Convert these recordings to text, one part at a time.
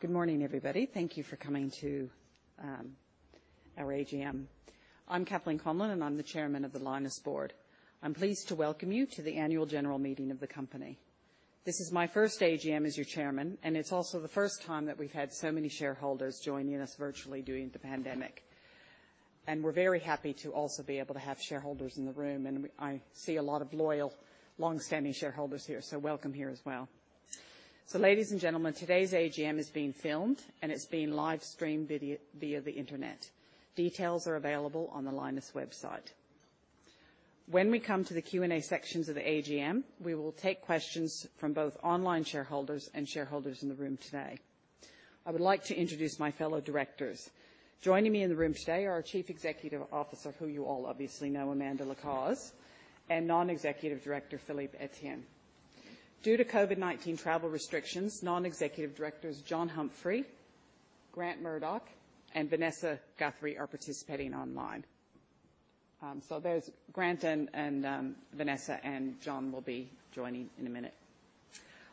Good morning, everybody. Thank you for coming to our AGM. I'm Kathleen Conlon, and I'm the Chairman of the Lynas board. I'm pleased to welcome you to the annual general meeting of the company. This is my first AGM as your Chairman, and it's also the first time that we've had so many shareholders joining us virtually during the pandemic. We're very happy to also be able to have shareholders in the room, and I see a lot of loyal, long-standing shareholders here, so welcome here as well. Ladies and gentlemen, today's AGM is being filmed, and it's being live-streamed via the Internet. Details are available on the Lynas website. When we come to the Q&A sections of the AGM, we will take questions from both online shareholders and shareholders in the room today. I would like to introduce my fellow directors. Joining me in the room today are our Chief Executive Officer, who you all obviously know, Amanda Lacaze, and Non-Executive Director, Philippe Etienne. Due to COVID-19 travel restrictions, Non-Executive Directors, John Humphrey, Grant Murdoch, and Vanessa Guthrie, are participating online. So there's Grant and Vanessa, and John will be joining in a minute.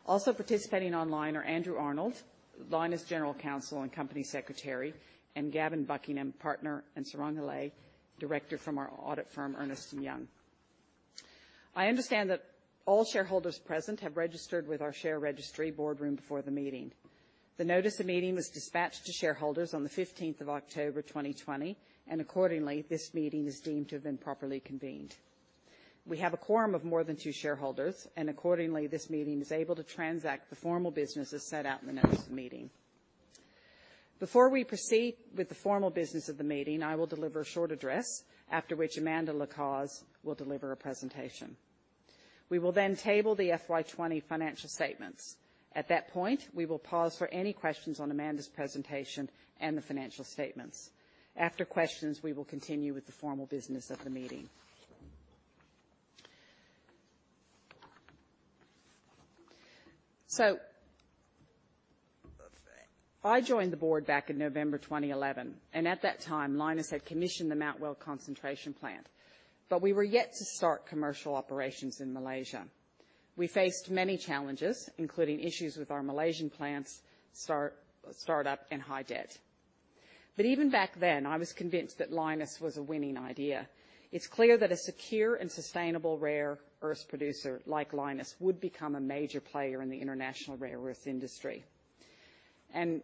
Also participating online are Andrew Arnold, Lynas General Counsel and Company Secretary, and Gavin Buckingham, Partner, and Sarang Lal, Director from our audit firm, Ernst & Young. I understand that all shareholders present have registered with our share registry BoardRoom before the meeting. The Notice of Meeting was dispatched to shareholders on the 15th of October, 2020, and accordingly, this meeting is deemed to have been properly convened. We have a quorum of more than two shareholders, and accordingly, this meeting is able to transact the formal business as set out in the notice of the meeting. Before we proceed with the formal business of the meeting, I will deliver a short address, after which Amanda Lacaze will deliver a presentation. We will then table the FY 2020 financial statements. At that point, we will pause for any questions on Amanda's presentation and the financial statements. After questions, we will continue with the formal business of the meeting. So, I joined the board back in November 2011, and at that time, Lynas had commissioned the Mount Weld Concentration Plant, but we were yet to start commercial operations in Malaysia. We faced many challenges, including issues with our Malaysian plant's startup and high debt. But even back then, I was convinced that Lynas was a winning idea. It's clear that a secure and sustainable rare earth producer like Lynas would become a major player in the international rare earth industry. And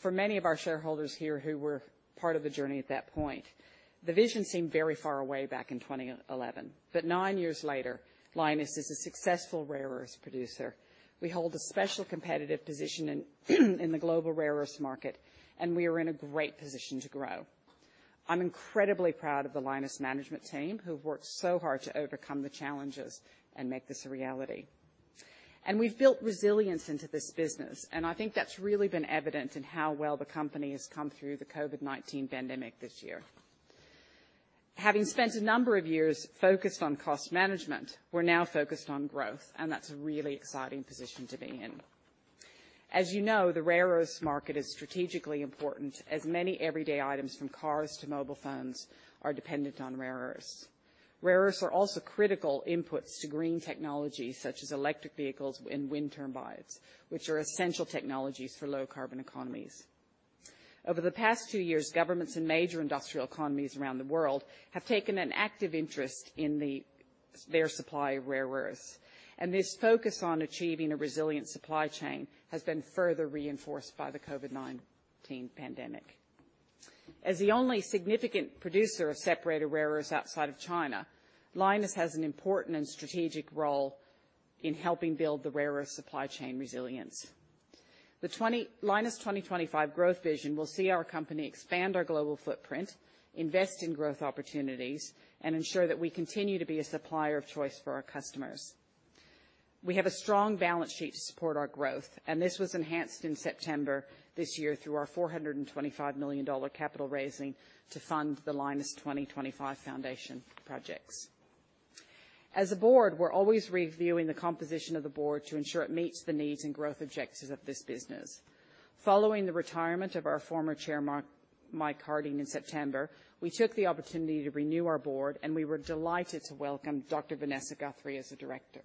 for many of our shareholders here who were part of the journey at that point, the vision seemed very far away back in 2011. But nine years later, Lynas is a successful rare earth producer. We hold a special competitive position in the global rare earth market, and we are in a great position to grow. I'm incredibly proud of the Lynas management team, who've worked so hard to overcome the challenges and make this a reality. And we've built resilience into this business, and I think that's really been evident in how well the company has come through the COVID-19 pandemic this year. Having spent a number of years focused on cost management, we're now focused on growth, and that's a really exciting position to be in. As you know, the rare earth market is strategically important, as many everyday items, from cars to mobile phones, are dependent on rare earths. Rare earths are also critical inputs to green technology, such as electric vehicles and wind turbines, which are essential technologies for low-carbon economies. Over the past two years, governments and major industrial economies around the world have taken an active interest in securing their supply of rare earths, and this focus on achieving a resilient supply chain has been further reinforced by the COVID-19 pandemic. As the only significant producer of separated rare earths outside of China, Lynas has an important and strategic role in helping build the rare earth supply chain resilience. The Lynas 2025 growth vision will see our company expand our global footprint, invest in growth opportunities, and ensure that we continue to be a supplier of choice for our customers. We have a strong balance sheet to support our growth, and this was enhanced in September this year through our 425 million dollar capital raising to fund the Lynas 2025 foundation projects. As a board, we're always reviewing the composition of the board to ensure it meets the needs and growth objectives of this business. Following the retirement of our former chairman, Mike Harding, in September, we took the opportunity to renew our board, and we were delighted to welcome Dr. Vanessa Guthrie as a director.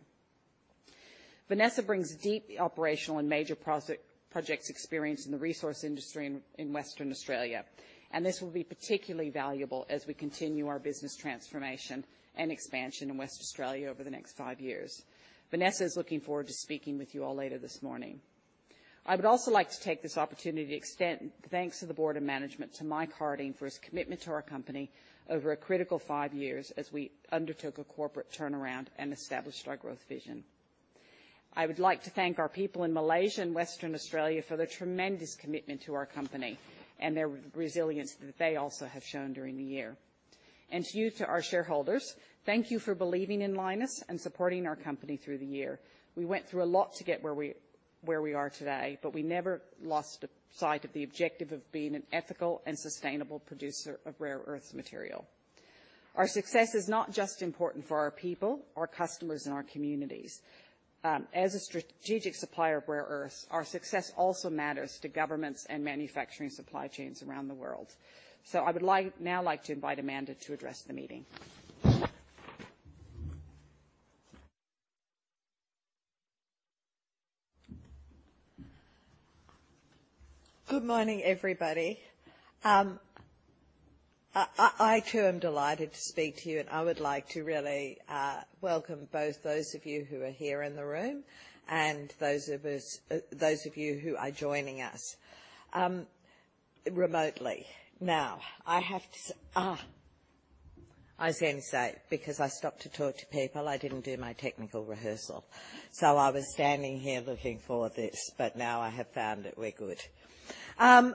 Vanessa brings deep operational and major projects experience in the resource industry in Western Australia, and this will be particularly valuable as we continue our business transformation and expansion in Western Australia over the next five years. Vanessa is looking forward to speaking with you all later this morning. I would also like to take this opportunity to extend thanks to the Board of Management, to Mike Harding, for his commitment to our company over a critical five years as we undertook a corporate turnaround and established our growth vision. I would like to thank our people in Malaysia and Western Australia for their tremendous commitment to our company and their resilience that they also have shown during the year. And to you, to our shareholders, thank you for believing in Lynas and supporting our company through the year. We went through a lot to get where we are today, but we never lost sight of the objective of being an ethical and sustainable producer of rare earths material. Our success is not just important for our people, our customers, and our communities. As a strategic supplier of rare earths, our success also matters to governments and manufacturing supply chains around the world. So I would like to invite Amanda to address the meeting. Good morning, everybody. I too am delighted to speak to you, and I would like to really welcome both those of you who are here in the room and those of you who are joining us remotely. Now, I was going to say, because I stopped to talk to people, I didn't do my technical rehearsal. So I was standing here looking for this, but now I have found it. We're good. I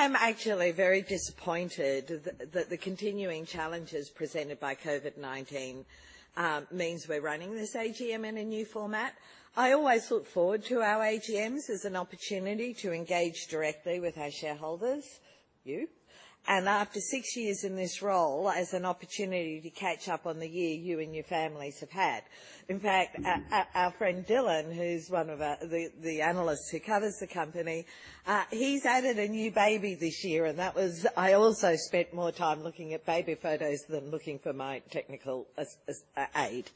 am actually very disappointed that the continuing challenges presented by COVID-19 means we're running this AGM in a new format. I always look forward to our AGMs as an opportunity to engage directly with our shareholders, you. And after six years in this role, as an opportunity to catch up on the year you and your families have had. In fact, our friend Dylan, who's one of the analysts who covers the company, he's added a new baby this year, and that was, I also spent more time looking at baby photos than looking for my technical aide.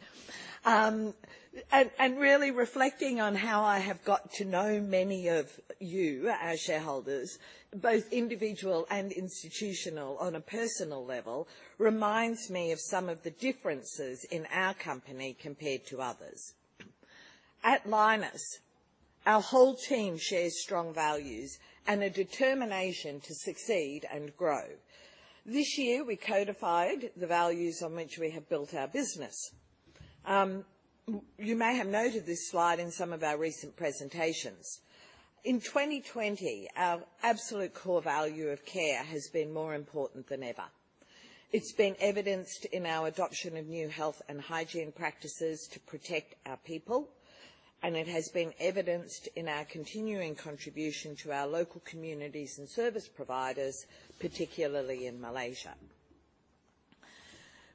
And really reflecting on how I have got to know many of you, our shareholders, both individual and institutional, on a personal level, reminds me of some of the differences in our company compared to others. At Lynas, our whole team shares strong values and a determination to succeed and grow. This year, we codified the values on which we have built our business. You may have noted this slide in some of our recent presentations. In 2020, our absolute core value of care has been more important than ever. It's been evidenced in our adoption of new health and hygiene practices to protect our people, and it has been evidenced in our continuing contribution to our local communities and service providers, particularly in Malaysia.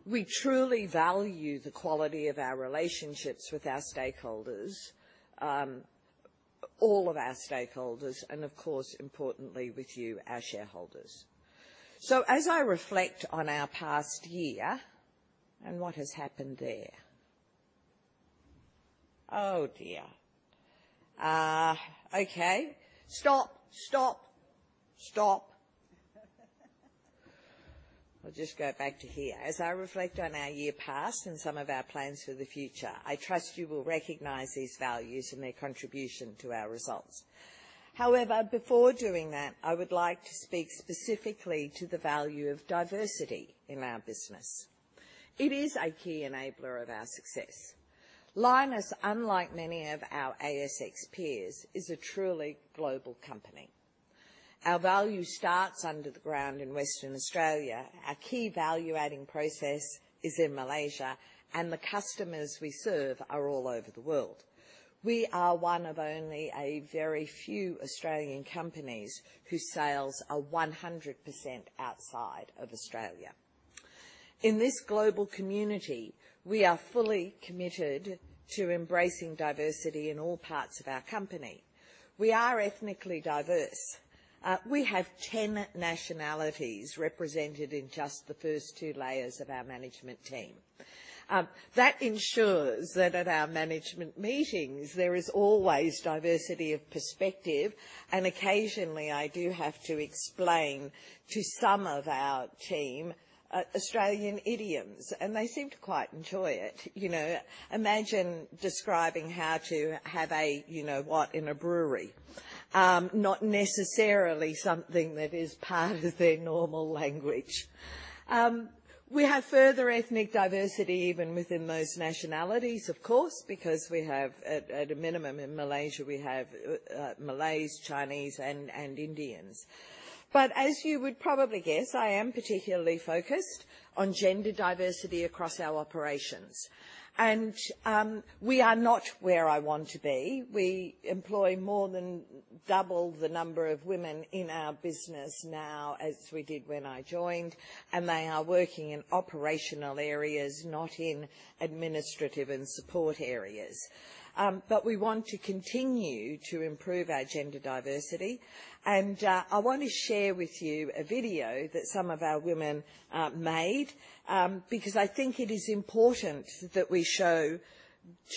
We truly value the quality of our relationships with our stakeholders, all of our stakeholders, and of course, importantly, with you, our shareholders. As I reflect on our year past and some of our plans for the future, I trust you will recognize these values and their contribution to our results. However, before doing that, I would like to speak specifically to the value of diversity in our business. It is a key enabler of our success. Lynas, unlike many of our ASX peers, is a truly global company. Our value starts under the ground in Western Australia. Our key value-adding process is in Malaysia, and the customers we serve are all over the world. We are one of only a very few Australian companies whose sales are 100% outside of Australia. In this global community, we are fully committed to embracing diversity in all parts of our company. We are ethnically diverse. We have 10 nationalities represented in just the first two layers of our management team. That ensures that at our management meetings, there is always diversity of perspective, and occasionally, I do have to explain to some of our team, Australian idioms, and they seem to quite enjoy it. You know, imagine describing how to have a you-know-what in a brewery. Not necessarily something that is part of their normal language. We have further ethnic diversity, even within those nationalities, of course, because we have, at a minimum, in Malaysia, we have Malays, Chinese, and Indians. But as you would probably guess, I am particularly focused on gender diversity across our operations, and we are not where I want to be. We employ more than double the number of women in our business now as we did when I joined, and they are working in operational areas, not in administrative and support areas. But we want to continue to improve our gender diversity, and I want to share with you a video that some of our women made, because I think it is important that we show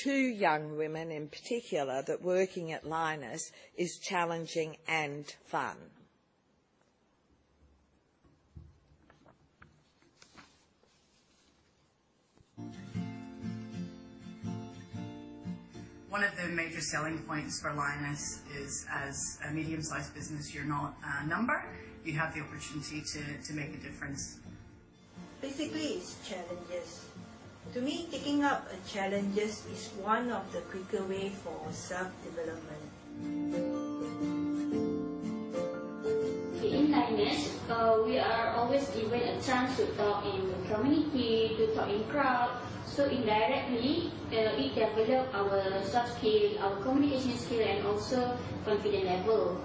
to young women in particular, that working at Lynas is challenging and fun. One of the major selling points for Lynas is, as a medium-sized business, you're not a number. You have the opportunity to make a difference. Basically, it's challenges. To me, taking up a challenge is one of the quicker ways for self-development. In Lynas, we are always given a chance to talk in the community, to talk in crowd. So indirectly, it develop our soft skill, our communication skill, and also confidence level.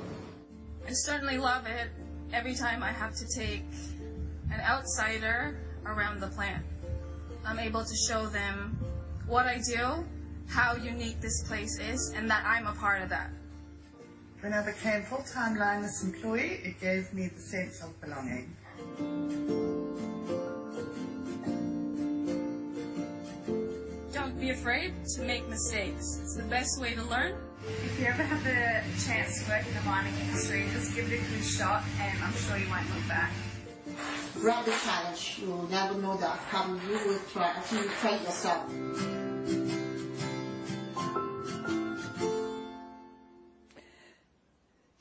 I certainly love it. Every time I have to take an outsider around the plant, I'm able to show them what I do, how unique this place is, and that I'm a part of that. When I became full-time Lynas employee, it gave me the sense of belonging. Don't be afraid to make mistakes. It's the best way to learn. If you ever have the chance to work in the mining industry, just give it a good shot, and I'm sure you won't look back. Grab the challenge. You will never know the how you will try if you try it yourself.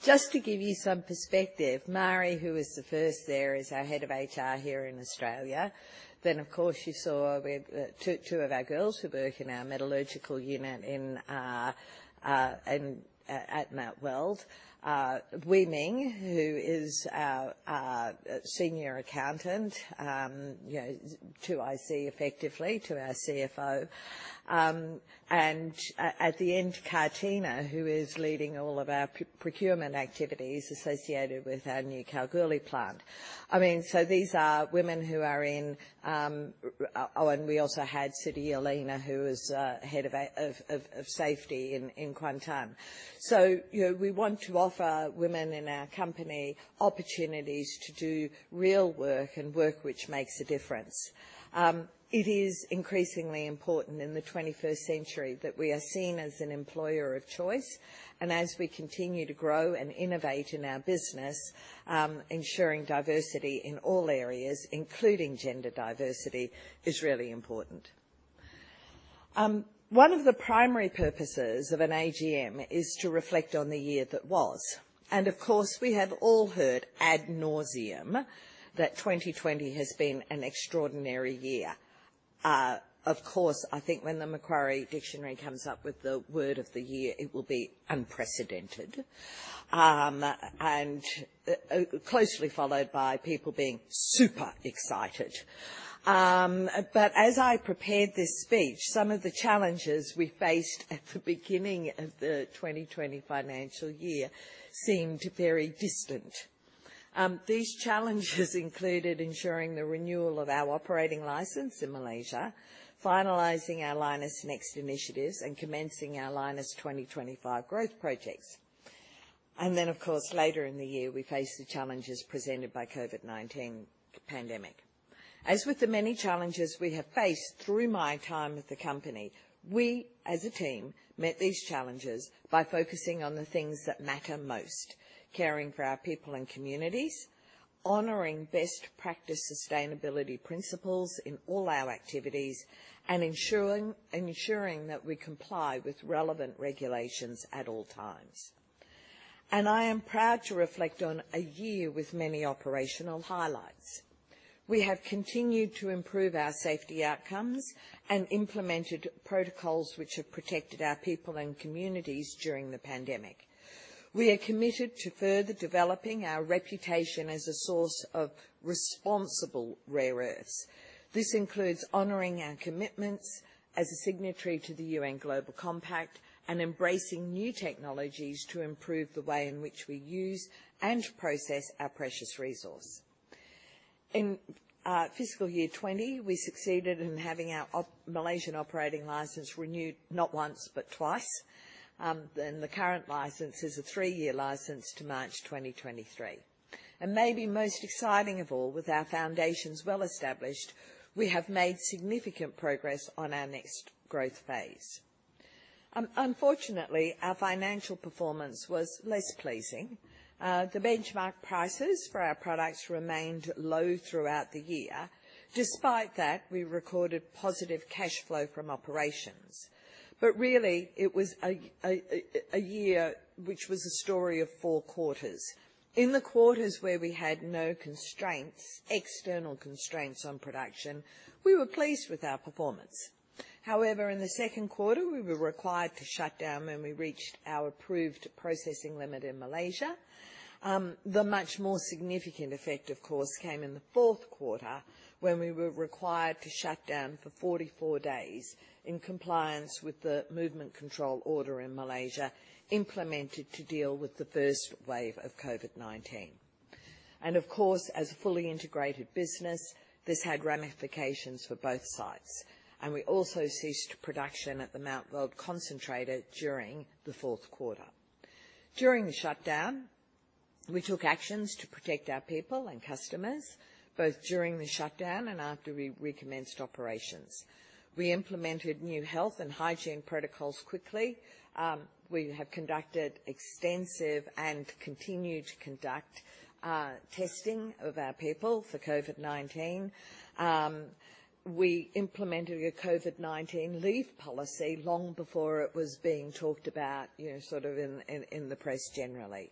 Just to give you some perspective, Marie, who is the first there, is our head of HR here in Australia. Then, of course, you saw with two of our girls who work in our metallurgical unit at Mount Weld. Wei Ming, who is our senior accountant, you know, 2IC, effectively, to our CFO. And at the end, Katina, who is leading all of our procurement activities associated with our new Kalgoorlie plant. I mean, so these are women who are in... Oh, and we also had Siti Elena, who was head of safety in Kuantan. So, you know, we want to offer women in our company opportunities to do real work and work which makes a difference. It is increasingly important in the 21st century that we are seen as an employer of choice, and as we continue to grow and innovate in our business, ensuring diversity in all areas, including gender diversity, is really important. One of the primary purposes of an AGM is to reflect on the year that was, and of course, we have all heard ad nauseam that 2020 has been an extraordinary year. Of course, I think when the Macquarie Dictionary comes up with the word of the year, it will be unprecedented, and closely followed by people being super excited. But as I prepared this speech, some of the challenges we faced at the beginning of the 2020 financial year seemed very distant. These challenges included ensuring the renewal of our operating license in Malaysia, finalizing our Lynas NEXT initiatives, and commencing our Lynas 2025 growth projects. And then, of course, later in the year, we faced the challenges presented by the COVID-19 pandemic. As with the many challenges we have faced through my time with the company, we, as a team, met these challenges by focusing on the things that matter most: caring for our people and communities, honoring best practice sustainability principles in all our activities, and ensuring that we comply with relevant regulations at all times. And I am proud to reflect on a year with many operational highlights. We have continued to improve our safety outcomes and implemented protocols which have protected our people and communities during the pandemic. We are committed to further developing our reputation as a source of responsible rare earths. This includes honoring our commitments as a signatory to the UN Global Compact and embracing new technologies to improve the way in which we use and process our precious resource. In fiscal year 2020, we succeeded in having our Malaysian operating license renewed, not once, but twice. Then the current license is a three-year license to March 2023. And maybe most exciting of all, with our foundations well-established, we have made significant progress on our next growth phase. Unfortunately, our financial performance was less pleasing. The benchmark prices for our products remained low throughout the year. Despite that, we recorded positive cash flow from operations. But really, it was a year which was a story of four quarters. In the quarters where we had no constraints, external constraints on production, we were pleased with our performance. However, in the second quarter, we were required to shut down when we reached our approved processing limit in Malaysia. The much more significant effect, of course, came in the fourth quarter, when we were required to shut down for 44 days in compliance with the Movement Control Order in Malaysia, implemented to deal with the first wave of COVID-19. And of course, as a fully integrated business, this had ramifications for both sides, and we also ceased production at the Mount Weld concentrator during the fourth quarter. During the shutdown, we took actions to protect our people and customers, both during the shutdown and after we recommenced operations. We implemented new health and hygiene protocols quickly. We have conducted extensive and continued to conduct testing of our people for COVID-19. We implemented a COVID-19 leave policy long before it was being talked about, you know, sort of in the press generally.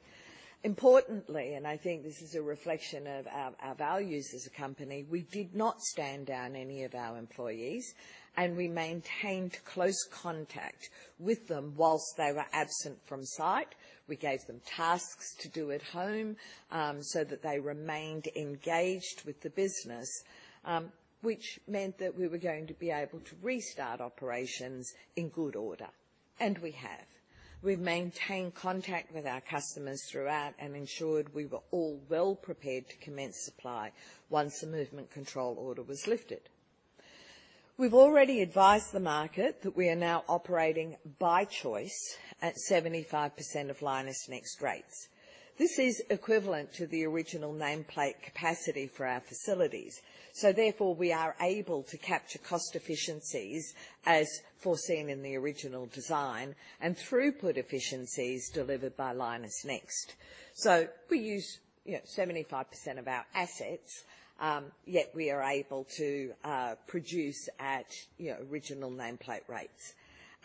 Importantly, and I think this is a reflection of our values as a company, we did not stand down any of our employees, and we maintained close contact with them whilst they were absent from site. We gave them tasks to do at home, so that they remained engaged with the business, which meant that we were going to be able to restart operations in good order, and we have. We've maintained contact with our customers throughout and ensured we were all well prepared to commence supply once the Movement Control Order was lifted. We've already advised the market that we are now operating by choice at 75% of Lynas NEXT rates. This is equivalent to the original nameplate capacity for our facilities. So therefore, we are able to capture cost efficiencies as foreseen in the original design and throughput efficiencies delivered by Lynas NEXT. So we use, you know, 75% of our assets, yet we are able to produce at, you know, original nameplate rates.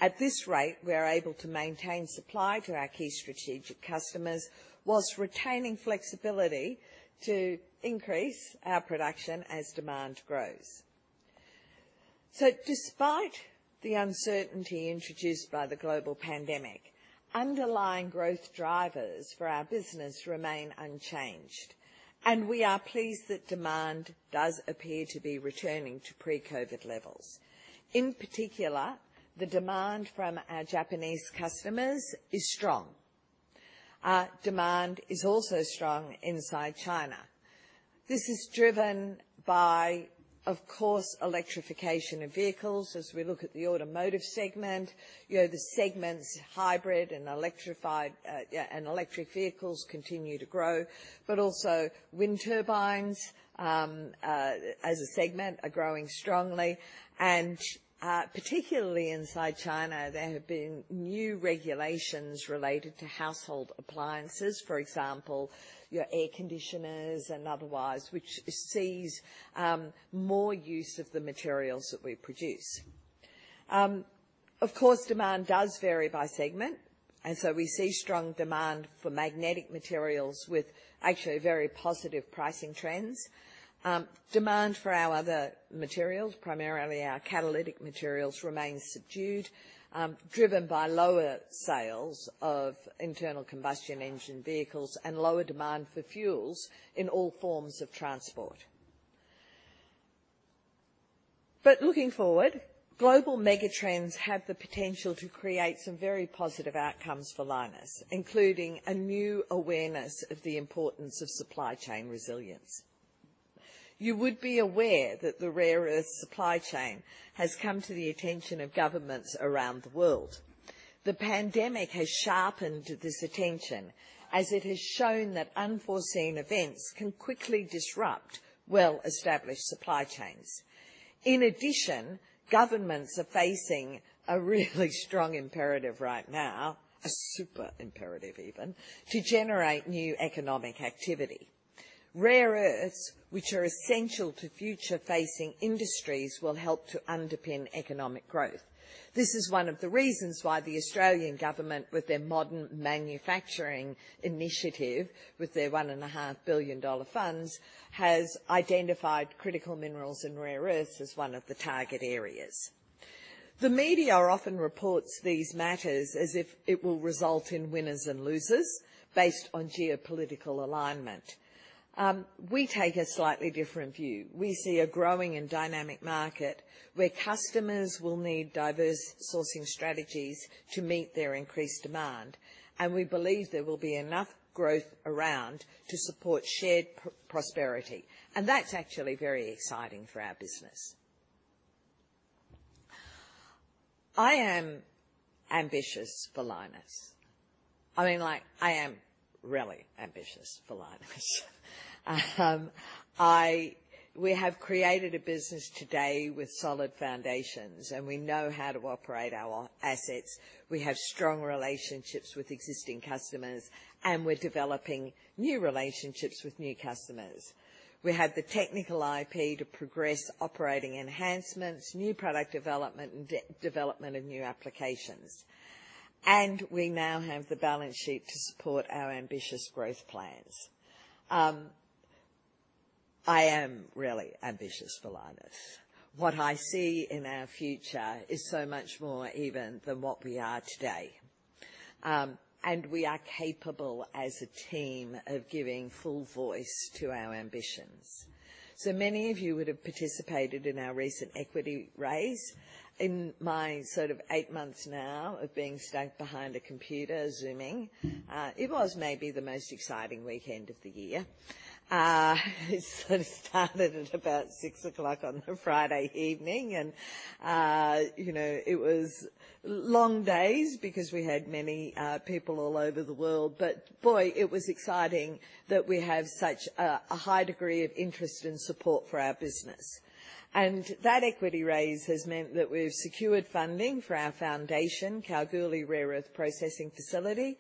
At this rate, we are able to maintain supply to our key strategic customers whilst retaining flexibility to increase our production as demand grows. So despite the uncertainty introduced by the global pandemic, underlying growth drivers for our business remain unchanged, and we are pleased that demand does appear to be returning to pre-COVID levels. In particular, the demand from our Japanese customers is strong. Our demand is also strong inside China. This is driven by, of course, electrification of vehicles. As we look at the automotive segment, you know, the segments, hybrid and electrified, and electric vehicles continue to grow, but also wind turbines, as a segment, are growing strongly and, particularly inside China, there have been new regulations related to household appliances, for example, your air conditioners and otherwise, which sees, more use of the materials that we produce. Of course, demand does vary by segment, and so we see strong demand for magnetic materials with actually very positive pricing trends. Demand for our other materials, primarily our catalytic materials, remains subdued, driven by lower sales of internal combustion engine vehicles and lower demand for fuels in all forms of transport. But looking forward, global mega trends have the potential to create some very positive outcomes for Lynas, including a new awareness of the importance of supply chain resilience. You would be aware that the rare earth supply chain has come to the attention of governments around the world. The pandemic has sharpened this attention as it has shown that unforeseen events can quickly disrupt well-established supply chains. In addition, governments are facing a really strong imperative right now, a super imperative even, to generate new economic activity. Rare earths, which are essential to future-facing industries, will help to underpin economic growth. This is one of the reasons why the Australian government, with their Modern Manufacturing Initiative, with their 1.5 billion dollar funds, has identified critical minerals and rare earths as one of the target areas. The media often reports these matters as if it will result in winners and losers based on geopolitical alignment. We take a slightly different view. We see a growing and dynamic market where customers will need diverse sourcing strategies to meet their increased demand, and we believe there will be enough growth around to support shared prosperity, and that's actually very exciting for our business. I am ambitious for Lynas. I mean, like, I am really ambitious for Lynas. We have created a business today with solid foundations, and we know how to operate our assets. We have strong relationships with existing customers, and we're developing new relationships with new customers. We have the technical IP to progress operating enhancements, new product development, and development of new applications, and we now have the balance sheet to support our ambitious growth plans. I am really ambitious for Lynas. What I see in our future is so much more even than what we are today. And we are capable, as a team, of giving full voice to our ambitions. So many of you would have participated in our recent equity raise. In my sort of eight months now of being stuck behind a computer, Zooming, it was maybe the most exciting weekend of the year. It sort of started at about 6:00 P.M. on the Friday evening, and, you know, it was long days because we had many people all over the world. But boy, it was exciting that we have such a high degree of interest and support for our business. That equity raise has meant that we've secured funding for our foundation, Kalgoorlie Rare Earth Processing Facility,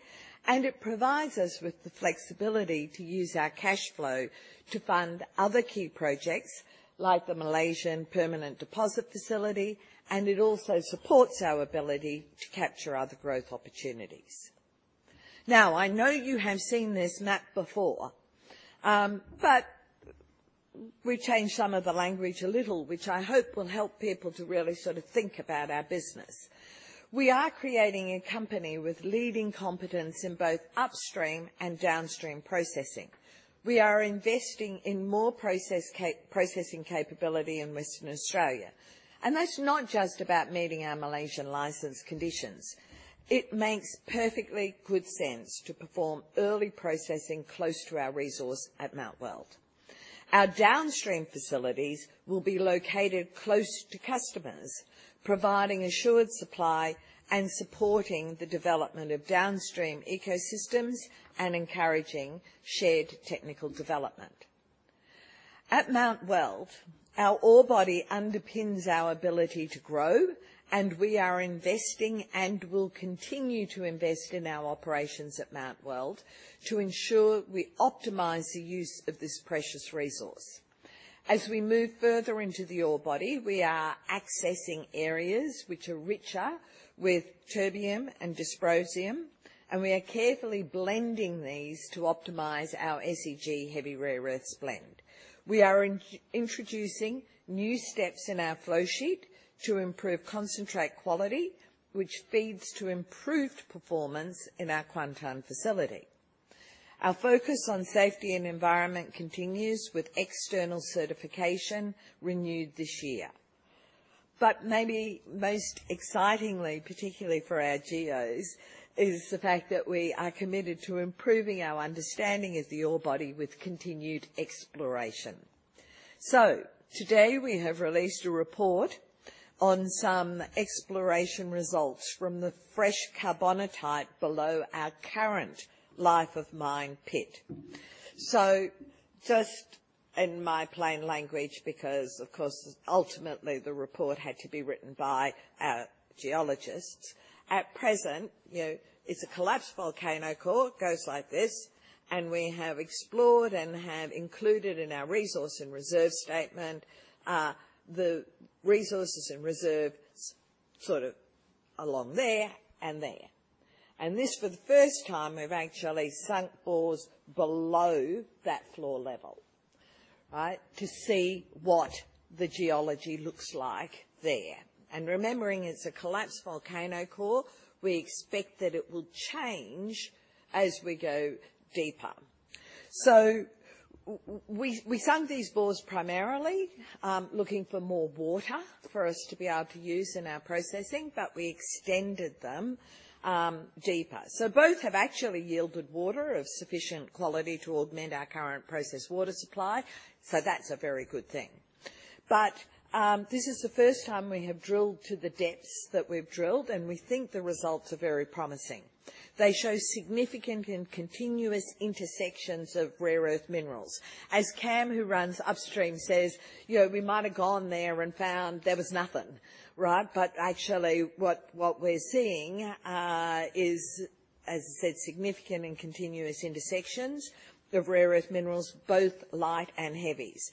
and it provides us with the flexibility to use our cash flow to fund other key projects, like the Malaysian Permanent Disposal Facility, and it also supports our ability to capture other growth opportunities. Now, I know you have seen this map before, but we changed some of the language a little, which I hope will help people to really sort of think about our business. We are creating a company with leading competence in both upstream and downstream processing. We are investing in more processing capability in Western Australia, and that's not just about meeting our Malaysian license conditions. It makes perfectly good sense to perform early processing close to our resource at Mount Weld. Our downstream facilities will be located close to customers, providing assured supply and supporting the development of downstream ecosystems and encouraging shared technical development. At Mount Weld, our ore body underpins our ability to grow, and we are investing and will continue to invest in our operations at Mount Weld to ensure we optimize the use of this precious resource. As we move further into the ore body, we are accessing areas which are richer with terbium and dysprosium, and we are carefully blending these to optimize our SEG heavy rare earths blend. We are introducing new steps in our flow sheet to improve concentrate quality, which feeds to improved performance in our Kuantan facility. Our focus on safety and environment continues with external certification renewed this year. But maybe most excitingly, particularly for our geos, is the fact that we are committed to improving our understanding of the ore body with continued exploration. So today we have released a report on some exploration results from the fresh carbonatite below our current life of mine pit. So just in my plain language, because, of course, ultimately the report had to be written by our geologists. At present, you know, it's a collapsed volcano core, goes like this, and we have explored and have included in our resource and reserve statement, the resources and reserves sort of along there and there. And this, for the first time, we've actually sunk bores below that floor level, right? To see what the geology looks like there. And remembering it's a collapsed volcano core, we expect that it will change as we go deeper. So we sunk these bores primarily looking for more water for us to be able to use in our processing, but we extended them deeper. So both have actually yielded water of sufficient quality to augment our current process water supply, so that's a very good thing. But this is the first time we have drilled to the depths that we've drilled, and we think the results are very promising. They show significant and continuous intersections of rare earth minerals. As Kam, who runs upstream, says, "You know, we might have gone there and found there was nothing," right? But actually, what we're seeing is, as I said, significant and continuous intersections of rare earth minerals, both light and heavies.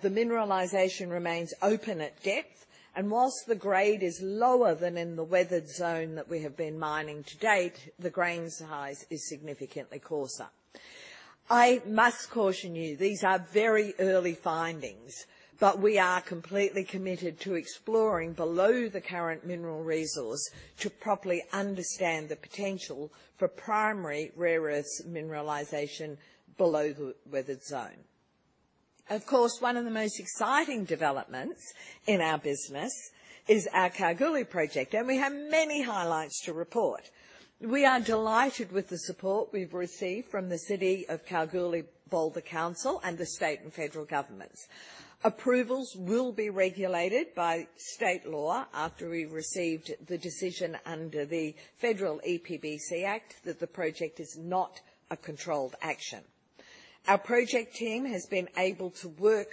The mineralization remains open at depth, and while the grade is lower than in the weathered zone that we have been mining to date, the grain size is significantly coarser. I must caution you, these are very early findings, but we are completely committed to exploring below the current mineral resource to properly understand the potential for primary rare earths mineralization below the weathered zone. Of course, one of the most exciting developments in our business is our Kalgoorlie project, and we have many highlights to report. We are delighted with the support we've received from the City of Kalgoorlie-Boulder Council and the state and federal governments. Approvals will be regulated by state law after we've received the decision under the Federal EPBC Act that the project is not a controlled action. Our project team has been able to work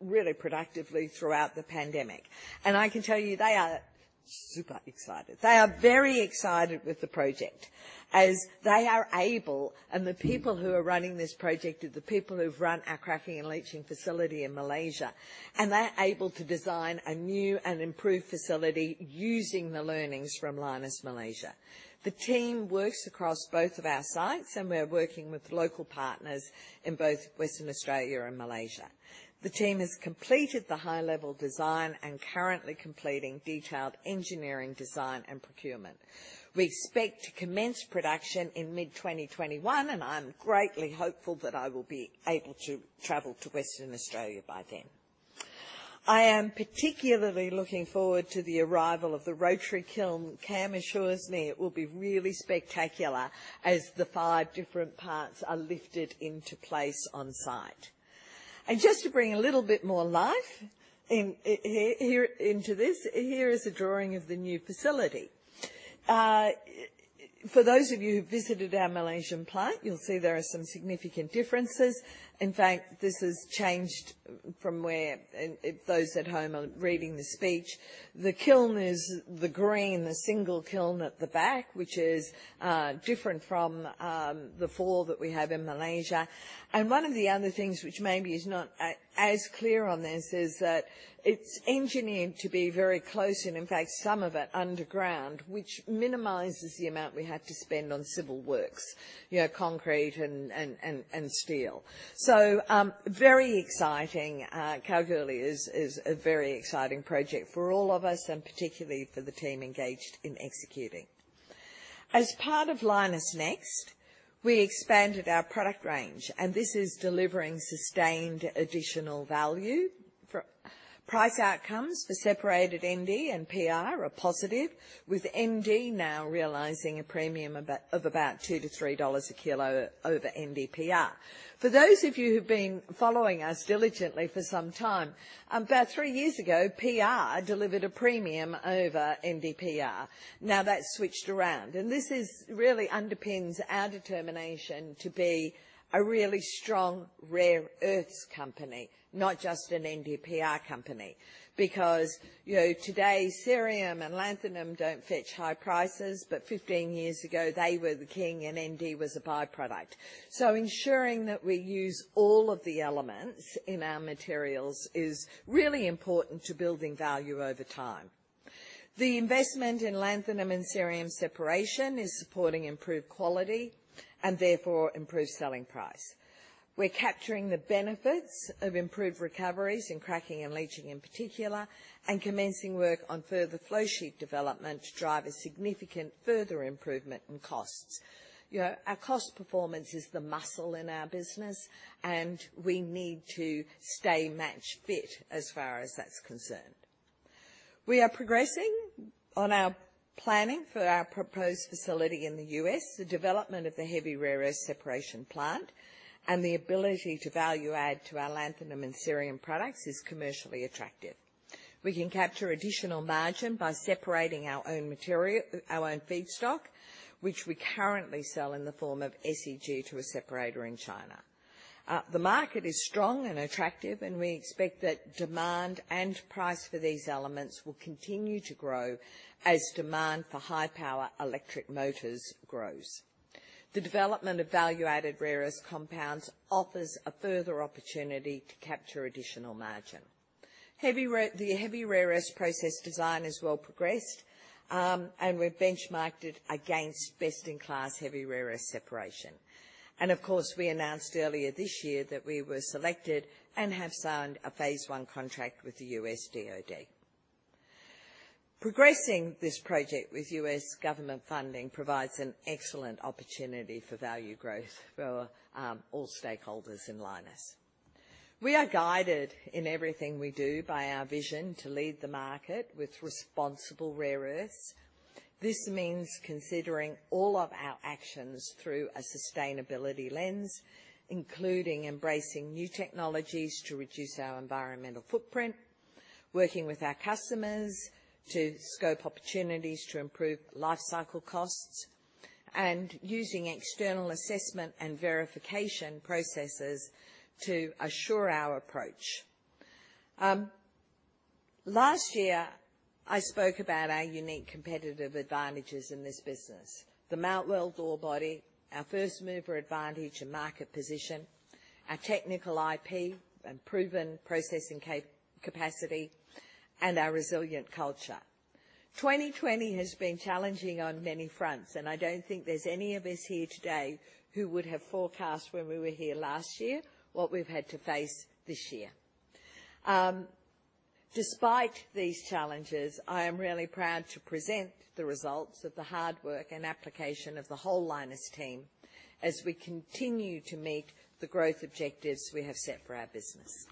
really productively throughout the pandemic, and I can tell you they are super excited. They are very excited with the project, as they are able, and the people who are running this project are the people who've run our cracking and leaching facility in Malaysia, and they're able to design a new and improved facility using the learnings from Lynas Malaysia. The team works across both of our sites, and we're working with local partners in both Western Australia and Malaysia. The team has completed the high-level design and currently completing detailed engineering, design, and procurement. We expect to commence production in mid-2021, and I'm greatly hopeful that I will be able to travel to Western Australia by then. I am particularly looking forward to the arrival of the rotary kiln. Kam assures me it will be really spectacular as the five different parts are lifted into place on site. Just to bring a little bit more life in, here is a drawing of the new facility. For those of you who've visited our Malaysian plant, you'll see there are some significant differences. In fact, this has changed from where, if those at home are reading the speech, the kiln is the green, the single kiln at the back, which is different from the four that we have in Malaysia. One of the other things which maybe is not as clear on this is that it's engineered to be very close and, in fact, some of it underground, which minimizes the amount we have to spend on civil works, you know, concrete and steel. So, very exciting. Kalgoorlie is a very exciting project for all of us, and particularly for the team engaged in executing. As part of Lynas NEXT, we expanded our product range, and this is delivering sustained additional value. Price outcomes for separated Nd and Pr are positive, with Nd now realizing a premium of about $2-$3 a kilo over NdPr. For those of you who've been following us diligently for some time, about 3 years ago, Pr delivered a premium over NdPr. Now, that's switched around, and this really underpins our determination to be a really strong rare earths company, not just an NdPr company. Because, you know, today, cerium and lanthanum don't fetch high prices, but 15 years ago, they were the king and Nd was a by-product. So ensuring that we use all of the elements in our materials is really important to building value over time. The investment in lanthanum and cerium separation is supporting improved quality and therefore improved selling price. We're capturing the benefits of improved recoveries in cracking and leaching, in particular, and commencing work on further flow sheet development to drive a significant further improvement in costs. You know, our cost performance is the muscle in our business, and we need to stay match fit as far as that's concerned. We are progressing on our planning for our proposed facility in the U.S., the development of the heavy rare earth separation plant, and the ability to value add to our lanthanum and cerium products is commercially attractive. We can capture additional margin by separating our own material, our own feedstock, which we currently sell in the form of SEG to a separator in China. The market is strong and attractive, and we expect that demand and price for these elements will continue to grow as demand for high-power electric motors grows. The development of value-added rare earths compounds offers a further opportunity to capture additional margin. The heavy rare earths process design is well progressed, and we've benchmarked it against best-in-class heavy rare earth separation. Of course, we announced earlier this year that we were selected and have signed a Phase 1 contract with the U.S. DOD. Progressing this project with U.S. government funding provides an excellent opportunity for value growth for all stakeholders in Lynas. We are guided in everything we do by our vision to lead the market with responsible rare earths. This means considering all of our actions through a sustainability lens, including embracing new technologies to reduce our environmental footprint, working with our customers to scope opportunities to improve lifecycle costs, and using external assessment and verification processes to assure our approach. Last year, I spoke about our unique competitive advantages in this business: the Mount Weld ore body, our first mover advantage and market position, our technical IP and proven processing capacity, and our resilient culture. 2020 has been challenging on many fronts, and I don't think there's any of us here today who would have forecast when we were here last year, what we've had to face this year. Despite these challenges, I am really proud to present the results of the hard work and application of the whole Lynas team as we continue to meet the growth objectives we have set for our business.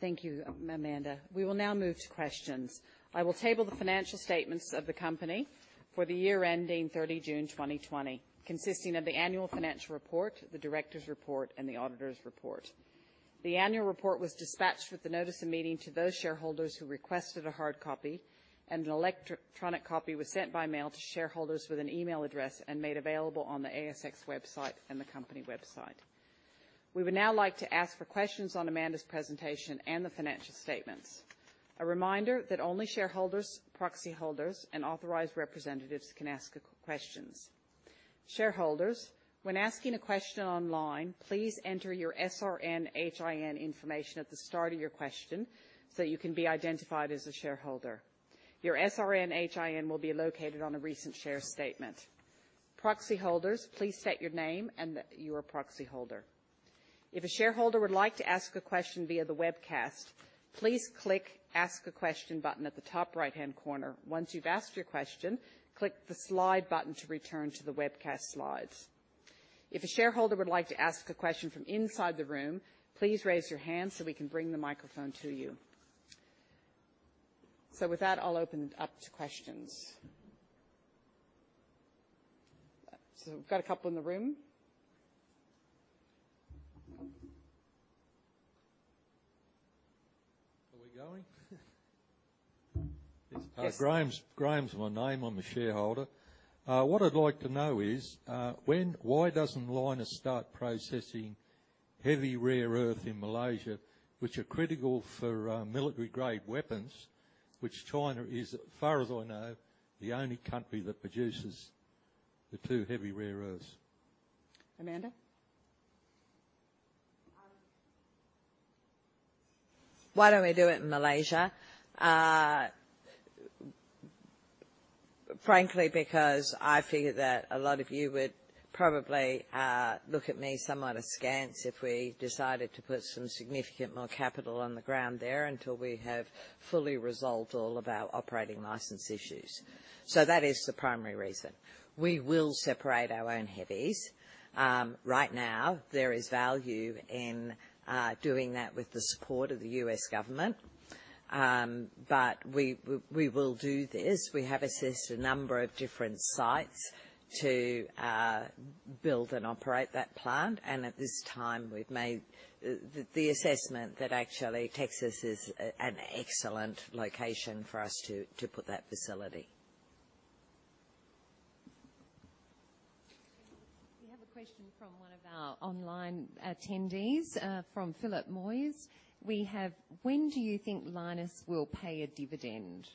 Thank you, Amanda. We will now move to questions. I will table the financial statements of the company for the year ending 30 June 2020, consisting of the annual financial report, the directors' report, and the auditors' report. The annual report was dispatched with the Notice of Meeting to those shareholders who requested a hard copy, and an electronic copy was sent by mail to shareholders with an email address and made available on the ASX website and the company website. We would now like to ask for questions on Amanda's presentation and the financial statements. A reminder that only shareholders, proxy holders, and authorized representatives can ask questions. Shareholders, when asking a question online, please enter your SRN HIN information at the start of your question so you can be identified as a shareholder. Your SRN HIN will be located on a recent share statement. Proxy holders, please state your name and that you're a proxy holder. If a shareholder would like to ask a question via the webcast, please click Ask a Question button at the top right-hand corner. Once you've asked your question, click the Slide button to return to the webcast slides. If a shareholder would like to ask a question from inside the room, please raise your hand so we can bring the microphone to you. So with that, I'll open it up to questions. So we've got a couple in the room. Are we going? Yes. Graham's, Graham's my name. I'm a shareholder. What I'd like to know is, why doesn't Lynas start processing heavy rare earth in Malaysia, which are critical for, military-grade weapons, which China is, as far as I know, the only country that produces the two heavy rare earths? Amanda? Why don't we do it in Malaysia? Frankly, because I figure that a lot of you would probably look at me somewhat askance if we decided to put some significant more capital on the ground there until we have fully resolved all of our operating license issues. So that is the primary reason. We will separate our own heavies. Right now, there is value in doing that with the support of the U.S. government. But we will do this. We have assessed a number of different sites to build and operate that plant, and at this time, we've made the assessment that actually Texas is an excellent location for us to put that facility. We have a question from one of our online attendees, from Philip Moyes. We have: When do you think Lynas will pay a dividend?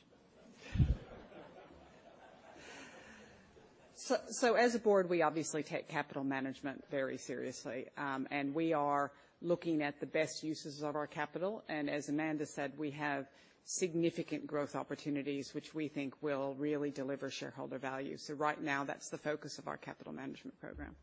So as a board, we obviously take capital management very seriously. And we are looking at the best uses of our capital, and as Amanda said, we have significant growth opportunities, which we think will really deliver shareholder value. So right now, that's the focus of our capital management program.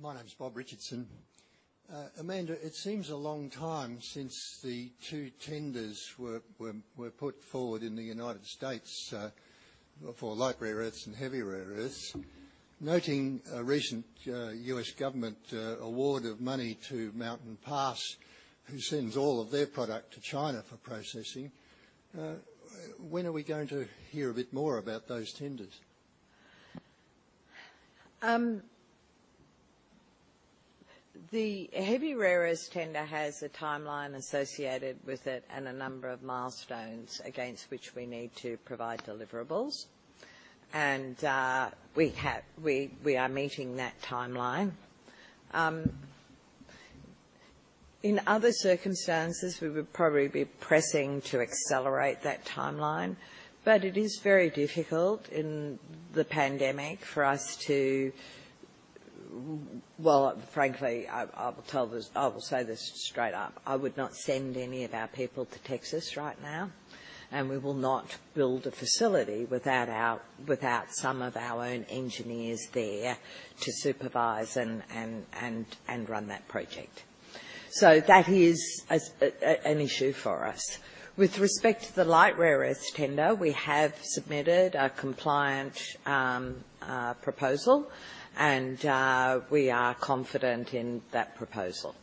My name's Bob Richardson. Amanda, it seems a long time since the two tenders were put forward in the United States for Light Rare Earths and Heavy Rare Earths. Noting a recent U.S. government award of money to Mountain Pass, who sends all of their product to China for processing, when are we going to hear a bit more about those tenders? The heavy rare earths tender has a timeline associated with it and a number of milestones against which we need to provide deliverables, and we are meeting that timeline. In other circumstances, we would probably be pressing to accelerate that timeline, but it is very difficult in the pandemic for us to, well, frankly, I will tell this, I will say this straight up: I would not send any of our people to Texas right now, and we will not build a facility without some of our own engineers there to supervise and run that project. So that is an issue for us. With respect to the light rare earths tender, we have submitted a compliant proposal, and we are confident in that proposal.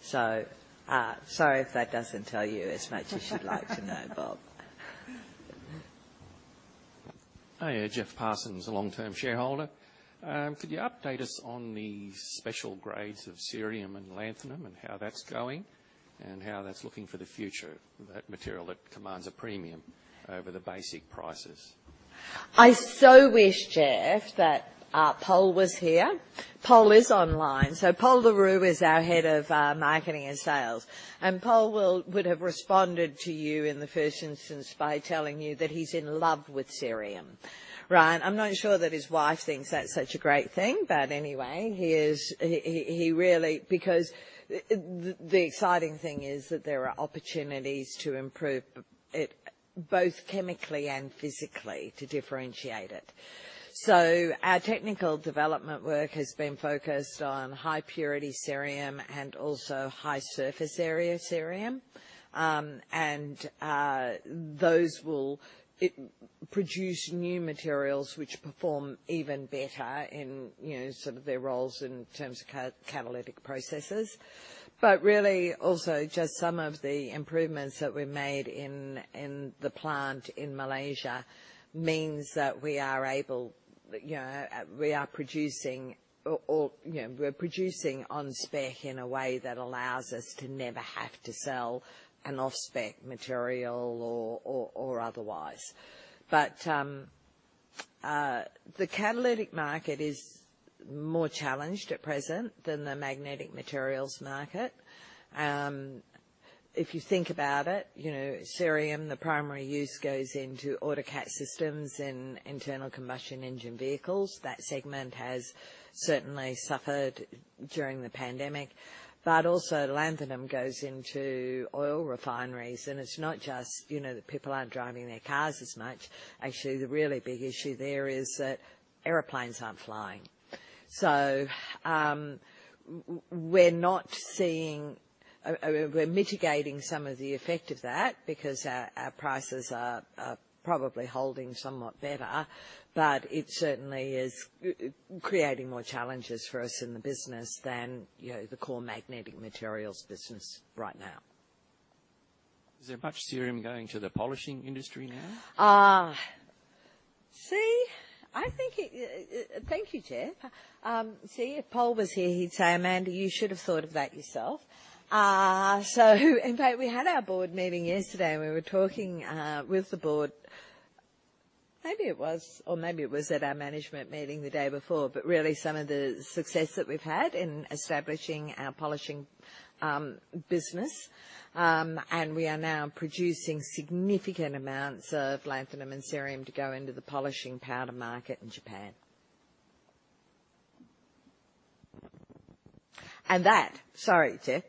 So, sorry if that doesn't tell you as much as you'd like to know, Bob. Hiya, Jeff Parsons, a long-term shareholder. Could you update us on the special grades of cerium and lanthanum, and how that's going, and how that's looking for the future, that material that commands a premium over the basic prices? I so wish, Jeff, that Pol was here. Pol is online. So Pol Le Roux is our head of marketing and sales, and Pol would have responded to you in the first instance by telling you that he's in love with cerium, right? I'm not sure that his wife thinks that's such a great thing, but anyway, he is. Because the exciting thing is that there are opportunities to improve it, both chemically and physically, to differentiate it. So our technical development work has been focused on high-purity cerium and also high surface area cerium. And those will produce new materials which perform even better in, you know, sort of their roles in terms of catalytic processes. But really, also, just some of the improvements that we made in the plant in Malaysia means that we are able, you know, we are producing, you know, we're producing on spec in a way that allows us to never have to sell an off-spec material or otherwise. But the catalytic market is more challenged at present than the magnetic materials market. If you think about it, you know, cerium, the primary use goes into autocat systems in internal combustion engine vehicles. That segment has certainly suffered during the pandemic, but also lanthanum goes into oil refineries, and it's not just, you know, that people aren't driving their cars as much. Actually, the really big issue there is that airplanes aren't flying. So we're mitigating some of the effect of that because our prices are probably holding somewhat better, but it certainly is creating more challenges for us in the business than, you know, the core magnetic materials business right now. Is there much cerium going to the polishing industry now? Ah, see, I think it. Thank you, Jeff. See, if Pol was here, he'd say, "Amanda, you should have thought of that yourself." So in fact, we had our board meeting yesterday, and we were talking with the board, maybe it was or maybe it was at our management meeting the day before, but really some of the success that we've had in establishing our polishing business, and we are now producing significant amounts of lanthanum and cerium to go into the polishing powder market in Japan. And that, sorry, Jeff,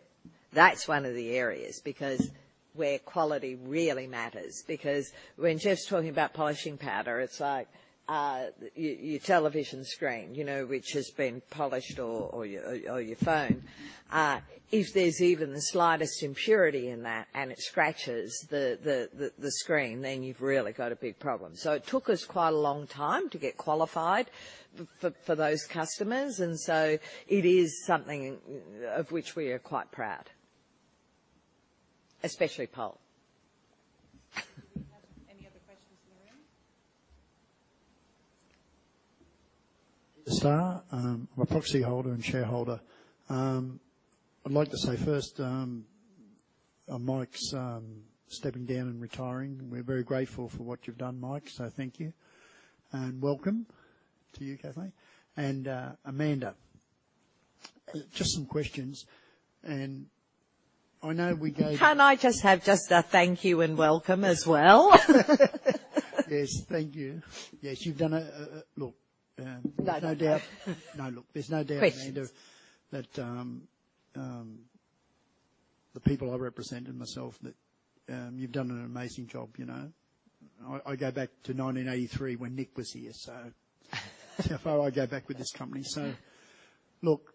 that's one of the areas because where quality really matters, because when Jeff's talking about polishing powder, it's like, your television screen, you know, which has been polished or your phone. If there's even the slightest impurity in that and it scratches the screen, then you've really got a big problem. So it took us quite a long time to get qualified for those customers, and so it is something of which we are quite proud, especially Pol. Do we have any other questions in the room? Stan, I'm a proxy holder and shareholder. I'd like to say first, Mike's stepping down and retiring. We're very grateful for what you've done, Mike, so thank you. And welcome to you, Kathleen. And, Amanda, just some questions, and I know we gave. Can I just have just a thank you and welcome as well? Yes, thank you. Yes, you've done a look. There's no doubt. No, look, there's no doubt, Amanda, that the people I represent and myself, that you've done an amazing job, you know? I go back to 1983 when Nick was here, so that's how far I go back with this company. So look,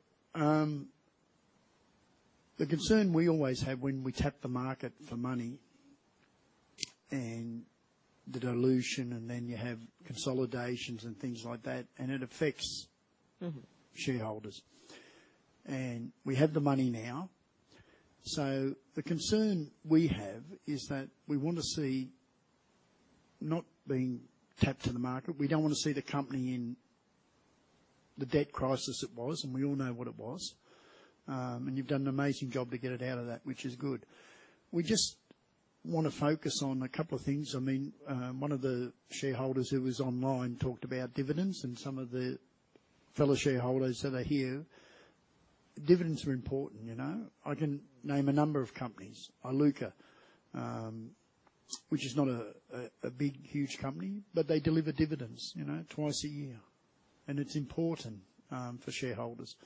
the concern we always have when we tap the market for money and the dilution, and then you have consolidations and things like that, and it affects shareholders. And we have the money now. So the concern we have is that we want to see not being tapped to the market. We don't want to see the company in the debt crisis it was, and we all know what it was. And you've done an amazing job to get it out of that, which is good. We just want to focus on a couple of things. I mean, one of the shareholders who was online talked about dividends and some of the fellow shareholders that are here. Dividends are important, you know? I can name a number of companies, Iluka, which is not a big, huge company, but they deliver dividends, you know, twice a year. And it's important for shareholders,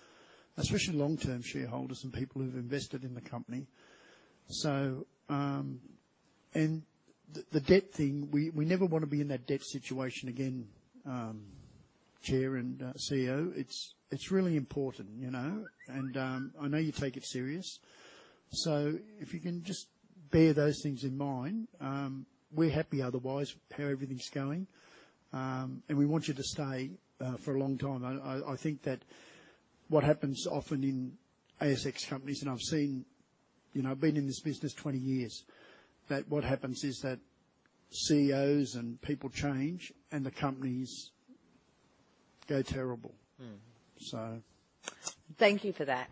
especially long-term shareholders and people who've invested in the company. So, and the debt thing, we never want to be in that debt situation again, Chair and CEO. It's really important, you know, and I know you take it serious. So if you can just bear those things in mind, we're happy otherwise how everything's going. And we want you to stay for a long time. I think that what happens often in ASX companies, and I've seen. You know, I've been in this business 20 years, that what happens is that CEOs and people change, and the companies go terrible. So. Thank you for that.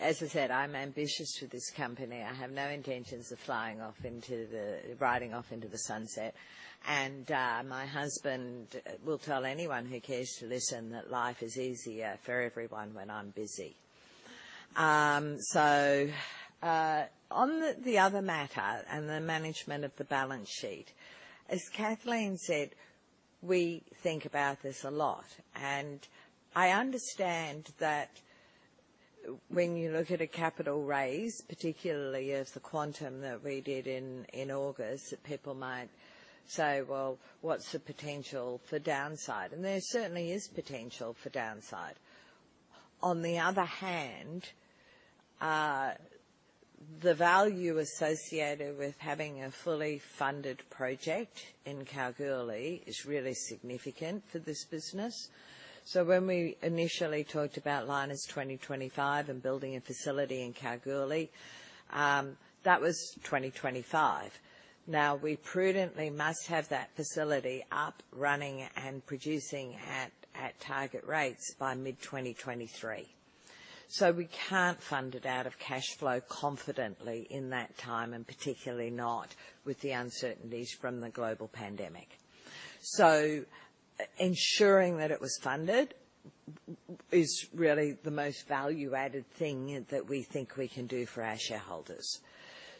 As I said, I'm ambitious for this company. I have no intentions of flying off into the, riding off into the sunset. My husband will tell anyone who cares to listen that life is easier for everyone when I'm busy. So, on the other matter and the management of the balance sheet, as Kathleen said, we think about this a lot. I understand that when you look at a capital raise, particularly as the quantum that we did in August, that people might say, "Well, what's the potential for downside?" And there certainly is potential for downside. On the other hand, the value associated with having a fully funded project in Kalgoorlie is really significant for this business. So when we initially talked about Lynas 2025 and building a facility in Kalgoorlie, that was 2025. Now, we prudently must have that facility up, running, and producing at target rates by mid-2023. So we can't fund it out of cash flow confidently in that time, and particularly not with the uncertainties from the global pandemic. So ensuring that it was funded is really the most value-added thing that we think we can do for our shareholders.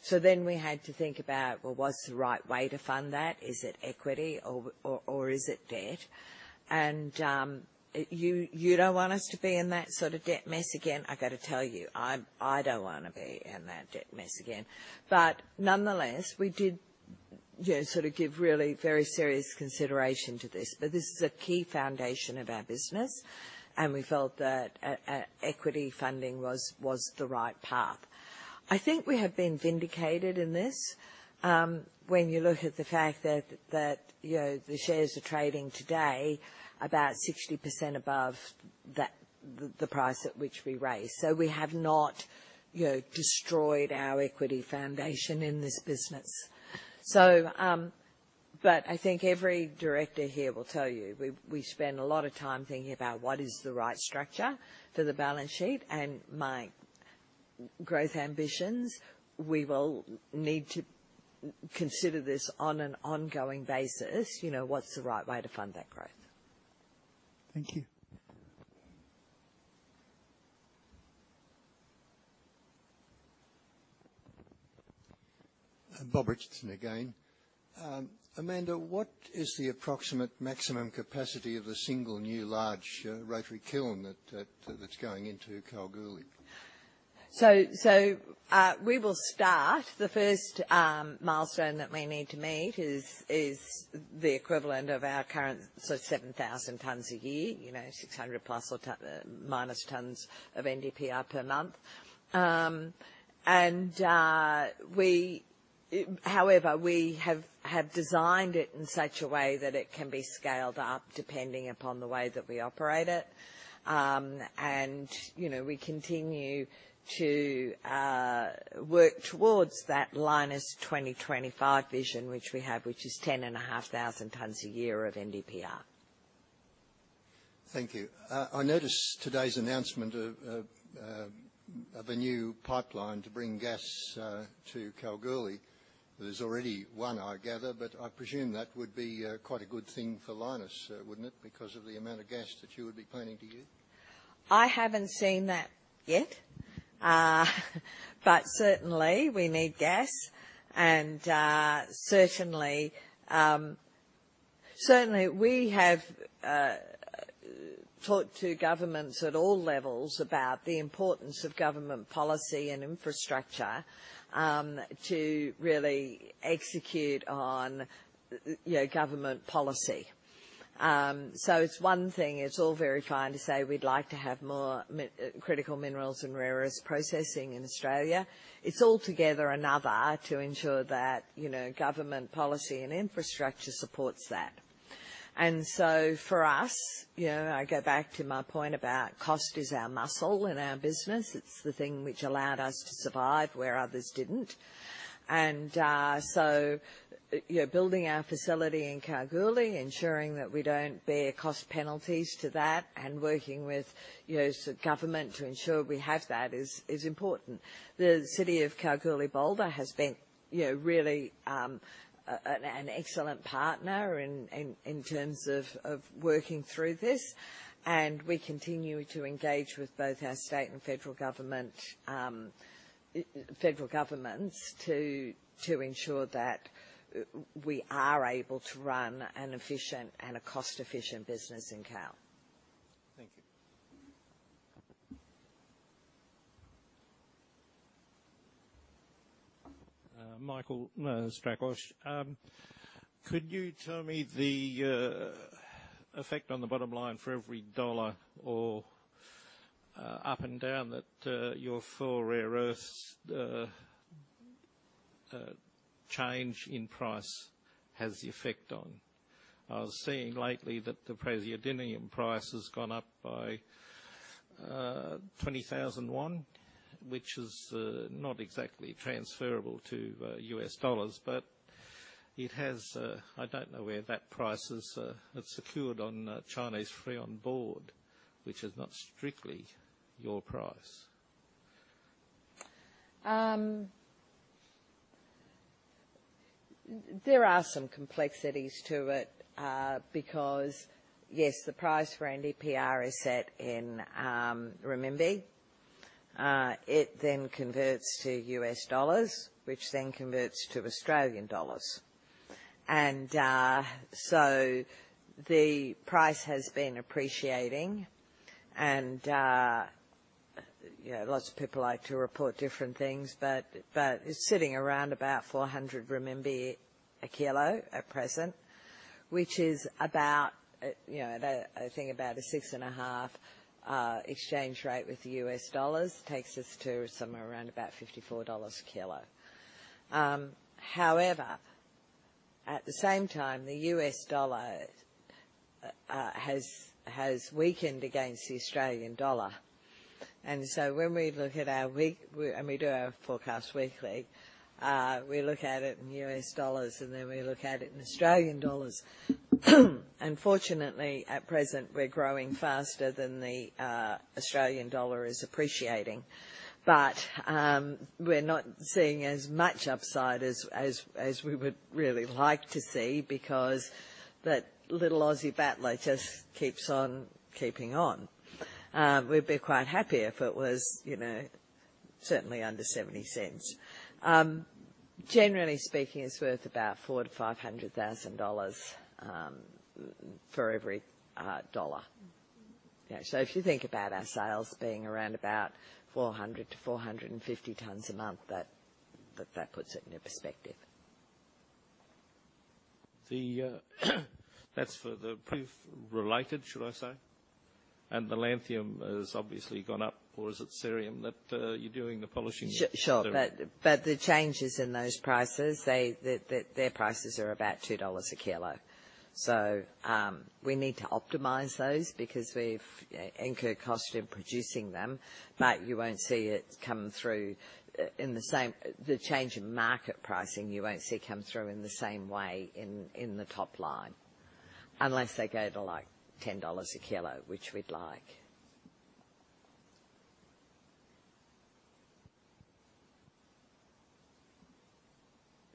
So then we had to think about, well, what's the right way to fund that? Is it equity or, or is it debt? And, you don't want us to be in that sort of debt mess again. I've got to tell you, I don't want to be in that debt mess again. But nonetheless, we did, you know, sort of give really very serious consideration to this. This is a key foundation of our business, and we felt that equity funding was the right path. I think we have been vindicated in this. When you look at the fact that, you know, the shares are trading today about 60% above that, the price at which we raised. We have not, you know, destroyed our equity foundation in this business. But I think every director here will tell you, we spend a lot of time thinking about what is the right structure for the balance sheet and my growth ambitions. We will need to consider this on an ongoing basis. You know, what's the right way to fund that growth? Thank you. Bob Richardson again. Amanda, what is the approximate maximum capacity of the single new large rotary kiln that's going into Kalgoorlie? We will start the first milestone that we need to meet is the equivalent of our current, so 7,000 tons a year, you know, 600 plus or minus tons of NdPr per month. However, we have designed it in such a way that it can be scaled up, depending upon the way that we operate it. And, you know, we continue to work towards that Lynas 2025 vision, which we have, which is 10,500 tons a year of NdPr. Thank you. I noticed today's announcement of a new pipeline to bring gas to Kalgoorlie. There's already one, I gather, but I presume that would be quite a good thing for Lynas, wouldn't it? Because of the amount of gas that you would be planning to use. I haven't seen that yet. But certainly we need gas and certainly we have talked to governments at all levels about the importance of government policy and infrastructure to really execute on, you know, government policy. So it's one thing, it's all very fine to say we'd like to have more critical minerals and rare earths processing in Australia. It's altogether another to ensure that, you know, government policy and infrastructure supports that. And so for us, you know, I go back to my point about cost is our muscle in our business. It's the thing which allowed us to survive where others didn't. And so, you know, building our facility in Kalgoorlie, ensuring that we don't bear cost penalties to that, and working with, you know, so government to ensure we have that is important. The City of Kalgoorlie-Boulder has been, you know, really, an excellent partner in terms of working through this, and we continue to engage with both our state and federal governments to ensure that we are able to run an efficient and a cost-efficient business in Kal. Thank you. Michael Strakosch. Could you tell me the effect on the bottom line for every dollar or up and down that your four rare earths change in price has the effect on? I was seeing lately that the praseodymium price has gone up by 20,000, which is not exactly transferable to US dollars, but I don't know where that price is secured on a Chinese Free on Board, which is not strictly your price. There are some complexities to it, because, yes, the price for NdPr is set in renminbi. It then converts to US dollars, which then converts to Australian dollars. And so the price has been appreciating, and, you know, lots of people like to report different things, but it's sitting around about 400 RMB a kilo at present, which is about, you know, I think about a 6.5 exchange rate with the US dollar, takes us to somewhere around about $54 a kilo. However, at the same time, the US dollar has weakened against the Australian dollar, and so when we look at our weekly forecast, we look at it in US dollars, and then we look at it in Australian dollars. Fortunately, at present, we're growing faster than the Australian dollar is appreciating. But we're not seeing as much upside as we would really like to see, because that little Aussie battler just keeps on keeping on. We'd be quite happy if it was, you know, certainly under 0.70. Generally speaking, it's worth about 400,000-500,000 dollars for every dollar. Yeah, so if you think about our sales being around about 400-450 tons a month, that puts it into perspective. That's for the Pr-related, should I say? And the lanthanum has obviously gone up, or is it cerium that you're doing the polishing? Sure. Cerium. But the changes in those prices, their prices are about 2 dollars a kilo. So, we need to optimize those because we've incurred cost in producing them, but you won't see it come through in the same. The change in market pricing, you won't see come through in the same way in the top line, unless they go to, like, 10 dollars a kilo, which we'd like.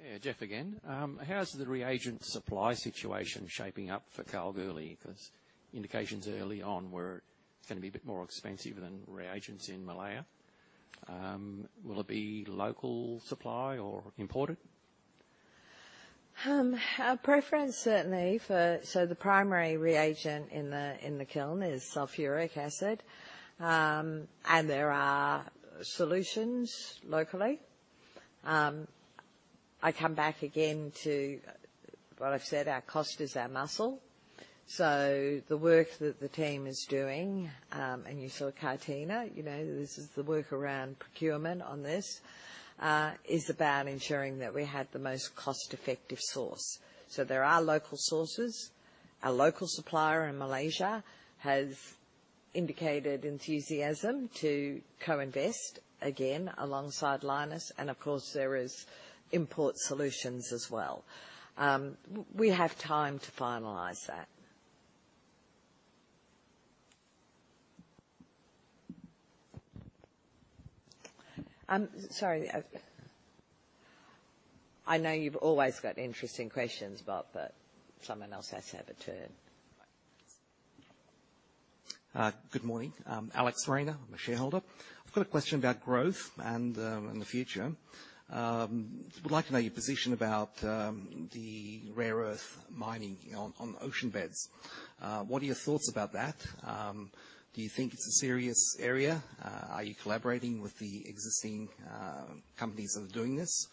Yeah, Jeff again. How's the reagent supply situation shaping up for Kalgoorlie? 'Cause indications early on were it's gonna be a bit more expensive than reagents in Malaysia. Will it be local supply or imported? Our preference certainly for, so the primary reagent in the kiln is sulfuric acid. And there are solutions locally. I come back again to what I've said: our cost is our muscle. So the work that the team is doing, and you saw Katina, you know, this is the work around procurement on this, is about ensuring that we have the most cost-effective source. So there are local sources. Our local supplier in Malaysia has indicated enthusiasm to co-invest again alongside Lynas, and of course, there is import solutions as well. We have time to finalize that. Sorry, I know you've always got interesting questions, but someone else has to have a turn. Good morning. Alex Reina, I'm a shareholder. I've got a question about growth and, and the future. Would like to know your position about, the rare earth mining on ocean beds. What are your thoughts about that? Do you think it's a serious area? Are you collaborating with the existing companies that are doing this,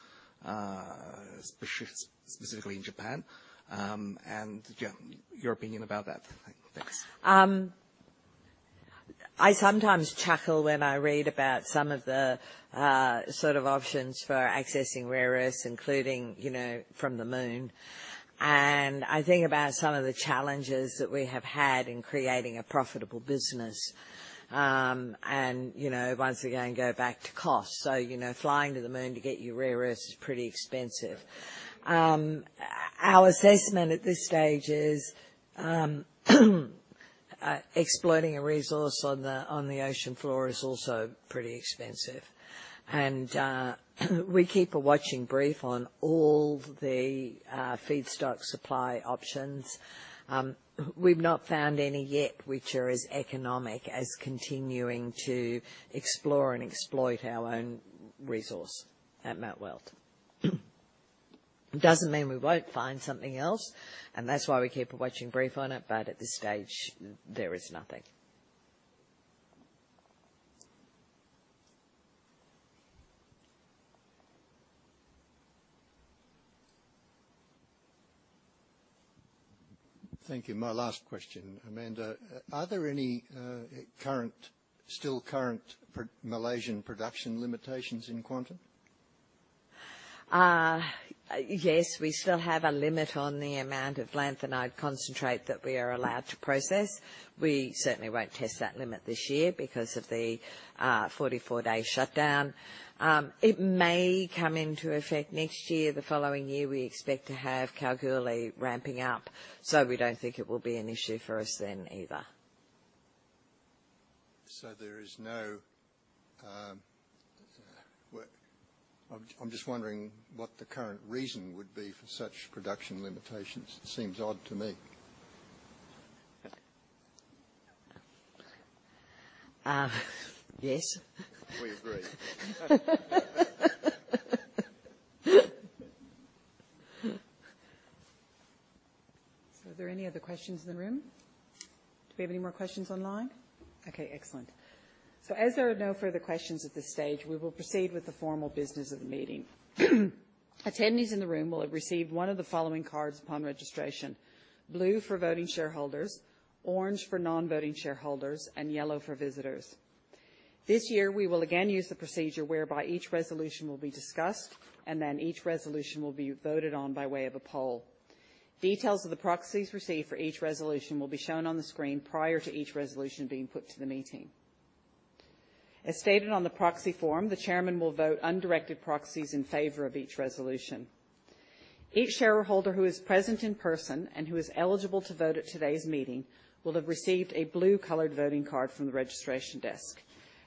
specifically in Japan? And, yeah, your opinion about that. Thanks. I sometimes chuckle when I read about some of the sort of options for accessing rare earths, including, you know, from the moon. And I think about some of the challenges that we have had in creating a profitable business. And, you know, once again, go back to cost. So, you know, flying to the moon to get your rare earths is pretty expensive. Our assessment at this stage is exploiting a resource on the ocean floor is also pretty expensive. And we keep a watching brief on all the feedstock supply options. We've not found any yet which are as economic as continuing to explore and exploit our own resource at Mount Weld. It doesn't mean we won't find something else, and that's why we keep a watching brief on it, but at this stage, there is nothing. Thank you. My last question, Amanda. Are there any current, still current Malaysian production limitations in Kuantan? Yes, we still have a limit on the amount of lanthanide concentrate that we are allowed to process. We certainly won't test that limit this year because of the 44-day shutdown. It may come into effect next year. The following year, we expect to have Kalgoorlie ramping up, so we don't think it will be an issue for us then either. So there is no. Well, I'm just wondering what the current reason would be for such production limitations. It seems odd to me. Uh, yes. We agree. So are there any other questions in the room? Do we have any more questions online? Okay, excellent. So as there are no further questions at this stage, we will proceed with the formal business of the meeting. Attendees in the room will have received one of the following cards upon registration: blue for voting shareholders, orange for non-voting shareholders, and yellow for visitors. This year, we will again use the procedure whereby each resolution will be discussed, and then each resolution will be voted on by way of a poll. Details of the proxies received for each resolution will be shown on the screen prior to each resolution being put to the meeting. As stated on the proxy form, the Chairman will vote undirected proxies in favor of each resolution. Each shareholder who is present in person and who is eligible to vote at today's meeting will have received a blue-colored voting card from the registration desk.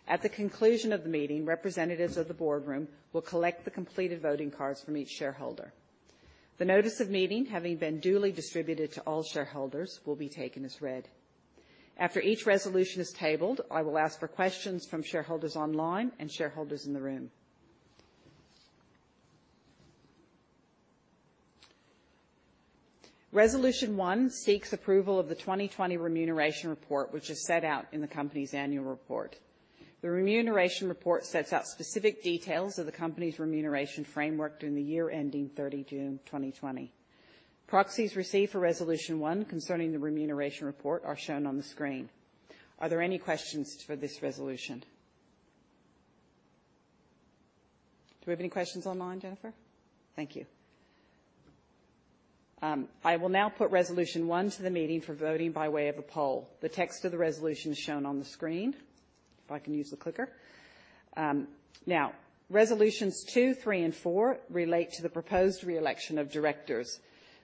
At the conclusion of the meeting, representatives of the BoardRoom will collect the completed voting cards from each shareholder. The Notice of Meeting, having been duly distributed to all shareholders, will be taken as read. After each resolution is tabled, I will ask for questions from shareholders online and shareholders in the room. Resolution 1 seeks approval of the 2020 Remuneration Report, which is set out in the company's annual report. The Remuneration Report sets out specific details of the company's remuneration framework during the year ending 30 June 2020. Proxies received for Resolution 1 concerning the Remuneration Report are shown on the screen. Are there any questions for this resolution? Do we have any questions online, Jennifer? Thank you. I will now put Resolution 1 to the meeting for voting by way of a poll. The text of the resolution is shown on the screen, if I can use the clicker. Now, resolutions 2, 3, and 4 relate to the proposed re-election of directors.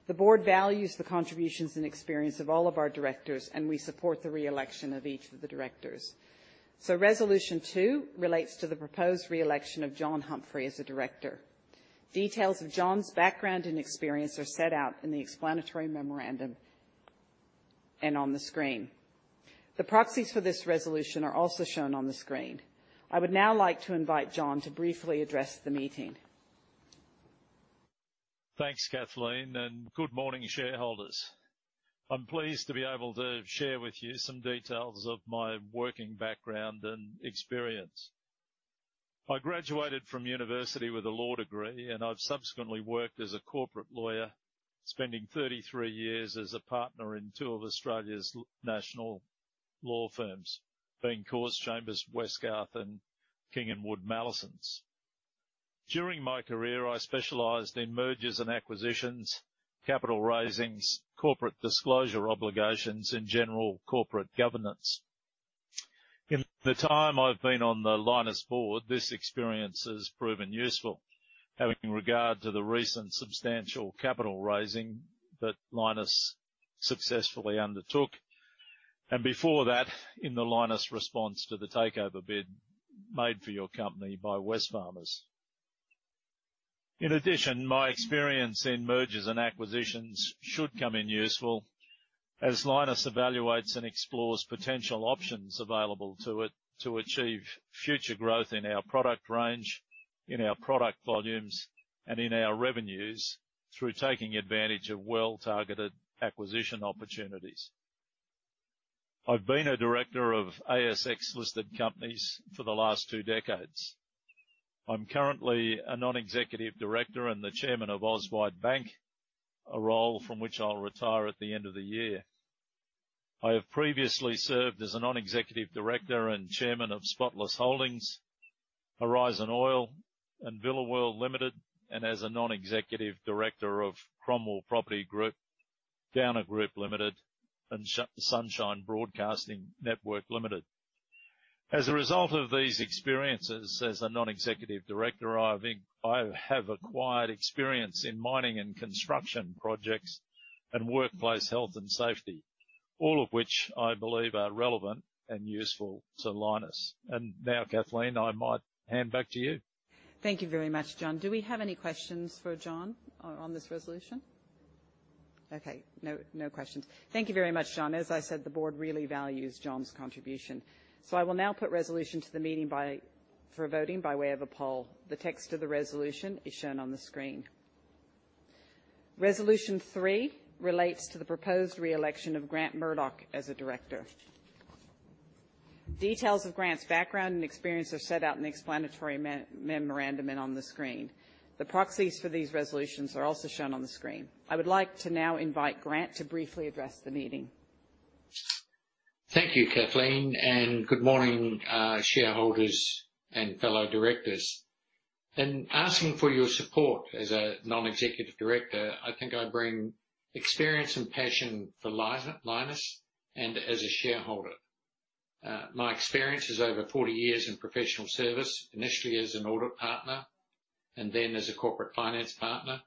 The board values the contributions and experience of all of our directors, and we support the re-election of each of the directors. So Resolution 2 relates to the proposed re-election of John Humphrey as a director. Details of John's background and experience are set out in the Explanatory Memorandum and on the screen. The proxies for this resolution are also shown on the screen. I would now like to invite John to briefly address the meeting. Thanks, Kathleen, and good morning, shareholders. I'm pleased to be able to share with you some details of my working background and experience. I graduated from university with a law degree, and I've subsequently worked as a corporate lawyer, spending 33 years as a partner in two of Australia's national law firms, being Corrs Chambers Westgarth and King & Wood Mallesons. During my career, I specialized in Mergers and Acquisitions, capital raisings, corporate disclosure obligations, and general corporate governance. In the time I've been on the Lynas board, this experience has proven useful, having regard to the recent substantial capital raising that Lynas successfully undertook, and before that, in the Lynas response to the takeover bid made for your company by Wesfarmers. In addition, my experience in Mergers and Acquisitions should come in useful as Lynas evaluates and explores potential options available to it to achieve future growth in our product range, in our product volumes, and in our revenues, through taking advantage of well-targeted acquisition opportunities. I've been a director of ASX-listed companies for the last two decades. I'm currently a non-executive director and the chairman of Auswide Bank, a role from which I'll retire at the end of the year. I have previously served as a non-executive director and chairman of Spotless Holdings, Horizon Oil, and Villa World Limited, and as a non-executive director of Cromwell Property Group, Downer Group Limited, and Sunshine Broadcasting Network Limited. As a result of these experiences as a non-executive director, I have acquired experience in mining and construction projects and workplace health and safety, all of which I believe are relevant and useful to Lynas. Now, Kathleen, I might hand back to you. Thank you very much, John. Do we have any questions for John on this resolution? Okay. No, no questions. Thank you very much, John. As I said, the board really values John's contribution. So I will now put resolution to the meeting for voting by way of a poll. The text of the resolution is shown on the screen. Resolution 3 relates to the proposed re-election of Grant Murdoch as a director. Details of Grant's background and experience are set out in the Explanatory Memorandum and on the screen. The proxies for these resolutions are also shown on the screen. I would like to now invite Grant to briefly address the meeting. Thank you, Kathleen, and good morning, shareholders and fellow directors. In asking for your support as a non-executive director, I think I bring experience and passion for Lynas and as a shareholder. My experience is over 40 years in professional services, initially as an audit partner and then as a corporate finance partner.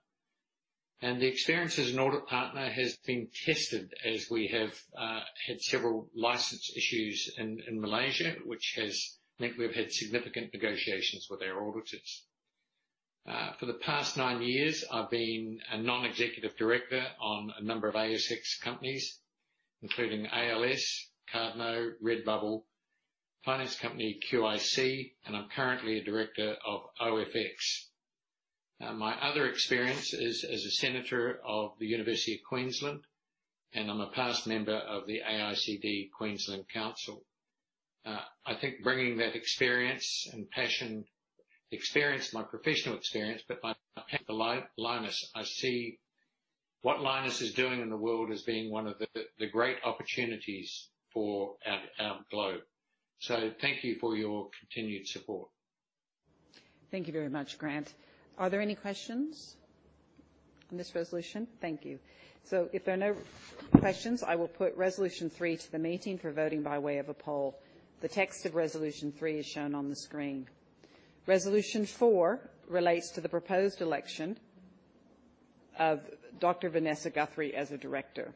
And the experience as an audit partner has been tested as we have had several license issues in Malaysia, which has meant we've had significant negotiations with our auditors. For the past 9 years, I've been a non-executive director on a number of ASX companies, including ALS, Cardno, Redbubble, finance company QIC, and I'm currently a director of OFX. My other experience is as a senator of the University of Queensland, and I'm a past member of the AICD Queensland Council. I think bringing that experience and passion, experience, my professional experience, but I see what Lynas is doing in the world as being one of the, the great opportunities for our, our globe. So thank you for your continued support. Thank you very much, Grant. Are there any questions on this resolution? Thank you. So if there are no questions, I will put Resolution 3 to the meeting for voting by way of a poll. The text of Resolution 3 is shown on the screen. Resolution 4 relates to the proposed election of Dr. Vanessa Guthrie as a director.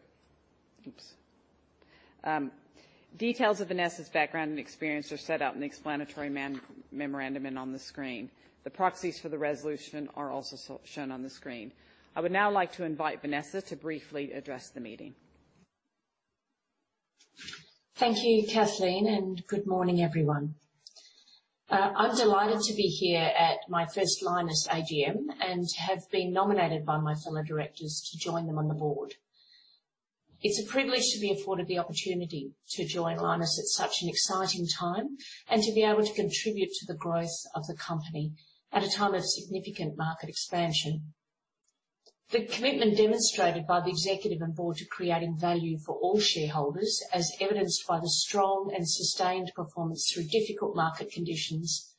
Details of Vanessa's background and experience are set out in the Explanatory Memorandum and on the screen. The proxies for the resolution are also shown on the screen. I would now like to invite Vanessa to briefly address the meeting. Thank you, Kathleen, and good morning, everyone. I'm delighted to be here at my first Lynas AGM and have been nominated by my fellow directors to join them on the board. It's a privilege to be afforded the opportunity to join Lynas at such an exciting time and to be able to contribute to the growth of the company at a time of significant market expansion. The commitment demonstrated by the executive and board to creating value for all shareholders, as evidenced by the strong and sustained performance through difficult market conditions,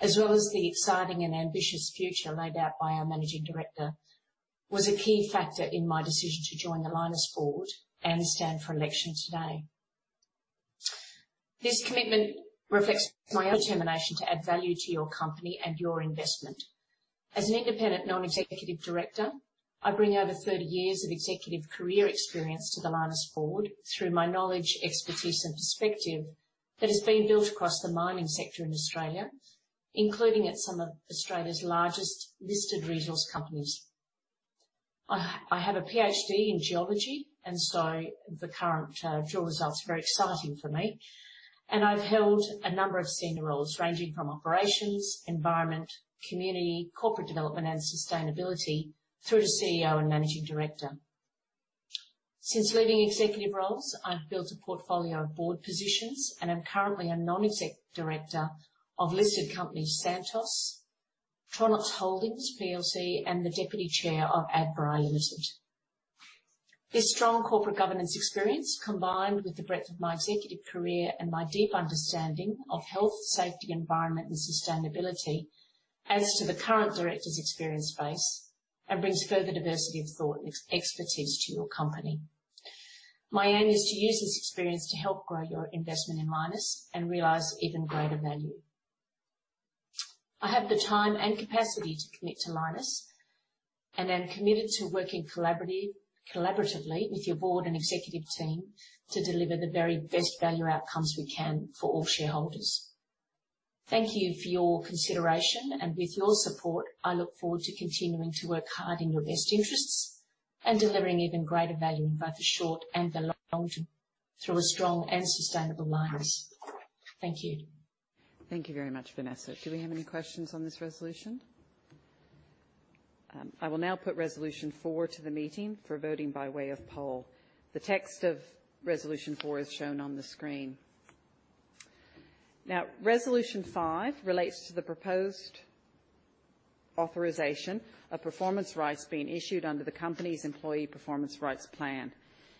as well as the exciting and ambitious future laid out by our Managing Director, was a key factor in my decision to join the Lynas board and stand for election today. This commitment reflects my determination to add value to your company and your investment. As an independent non-executive director, I bring over 30 years of executive career experience to the Lynas board through my knowledge, expertise, and perspective that has been built across the mining sector in Australia, including at some of Australia's largest listed resource companies. I have a PhD in geology, and so the current, drill results are very exciting for me. I've held a number of senior roles, ranging from operations, environment, community, corporate development, and sustainability through to CEO and Managing Director. Since leaving executive roles, I've built a portfolio of board positions, and I'm currently a non-exec director of listed company Santos, Tronox Holdings PLC, and the deputy chair of Adbri Limited. This strong corporate governance experience, combined with the breadth of my executive career and my deep understanding of health, safety, environment, and sustainability, adds to the current directors' experience base and brings further diversity of thought and expertise to your company. My aim is to use this experience to help grow your investment in Lynas and realize even greater value. I have the time and capacity to commit to Lynas and am committed to working collaboratively with your board and executive team to deliver the very best value outcomes we can for all shareholders. Thank you for your consideration, and with your support, I look forward to continuing to work hard in your best interests and delivering even greater value in both the short and the long term through a strong and sustainable Lynas. Thank you. Thank you very much, Vanessa. Do we have any questions on this resolution? I will now put Resolution 4 to the meeting for voting by way of poll. The text of Resolution 4 is shown on the screen. Now, Resolution 5 relates to the proposed authorization of performance rights being issued under the company's Employee Performance Rights Plan.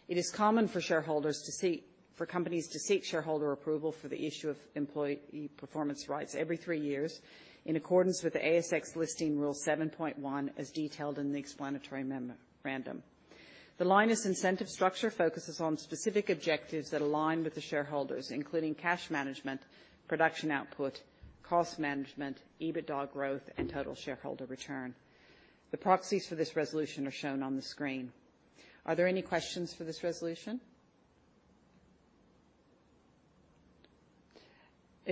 It is common for shareholders to seek, for companies to seek shareholder approval for the issue of employee performance rights every three years, in accordance with the ASX Listing Rule 7.1, as detailed in the Explanatory Memorandum. The Lynas incentive structure focuses on specific objectives that align with the shareholders, including cash management, production output, cost management, EBITDA growth, and total shareholder return. The proxies for this resolution are shown on the screen. Are there any questions for this resolution?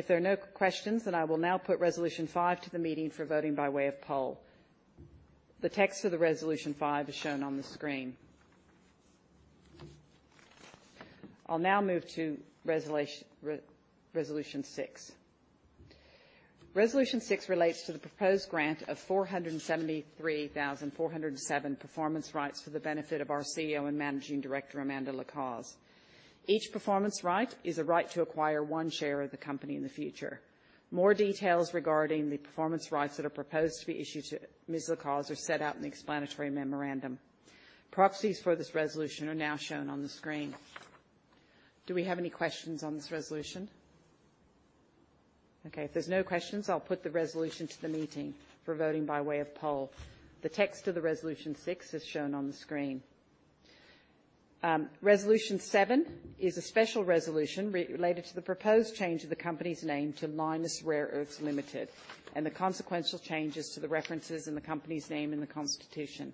If there are no questions, then I will now put Resolution 5 to the meeting for voting by way of poll. The text of the Resolution 5 is shown on the screen. I'll now move to Resolution 6. Resolution 6 relates to the proposed grant of 473,407 performance rights for the benefit of our CEO and Managing Director, Amanda Lacaze. Each performance right is a right to acquire one share of the company in the future. More details regarding the performance rights that are proposed to be issued to Ms. Lacaze are set out in the Explanatory Memorandum. Proxies for this resolution are now shown on the screen. Do we have any questions on this resolution? Okay, if there's no questions, I'll put the resolution to the meeting for voting by way of poll. The text of the Resolution 6 is shown on the screen. Resolution 7 is a special resolution related to the proposed change of the company's name to Lynas Rare Earths Limited, and the consequential changes to the references in the company's name in the Constitution.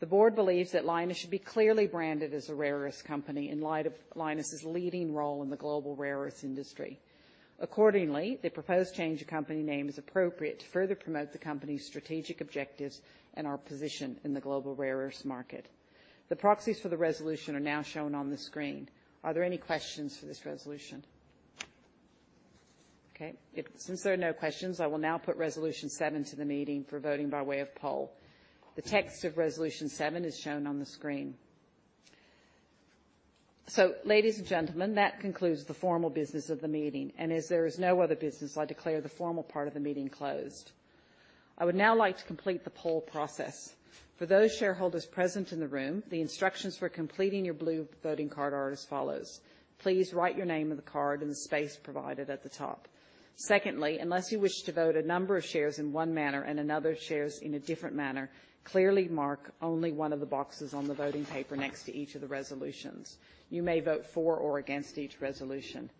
The board believes that Lynas should be clearly branded as a rare earths company in light of Lynas's leading role in the global rare earths industry. Accordingly, the proposed change of company name is appropriate to further promote the company's strategic objectives and our position in the global rare earths market. The proxies for the resolution are now shown on the screen. Are there any questions for this resolution? Okay, since there are no questions, I will now put Resolution 7 to the meeting for voting by way of poll. The text of Resolution 7 is shown on the screen. Ladies and gentlemen, that concludes the formal business of the meeting, and as there is no other business, I declare the formal part of the meeting closed. I would now like to complete the poll process. For those shareholders present in the room, the instructions for completing your blue voting card are as follows: Please write your name on the card in the space provided at the top. Secondly, unless you wish to vote a number of shares in one manner and another shares in a different manner, clearly mark only one of the boxes on the voting paper next to each of the resolutions. You may vote for or against each resolution.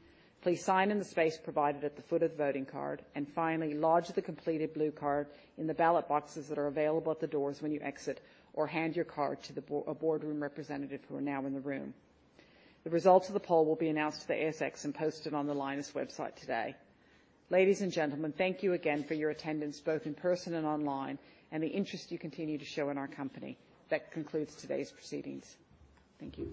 Please sign in the space provided at the foot of the voting card, and finally, lodge the completed blue card in the ballot boxes that are available at the doors when you exit, or hand your card to a BoardRoom representative who is now in the room. The results of the poll will be announced to the ASX and posted on the Lynas website today. Ladies and gentlemen, thank you again for your attendance, both in person and online, and the interest you continue to show in our company. That concludes today's proceedings. Thank you.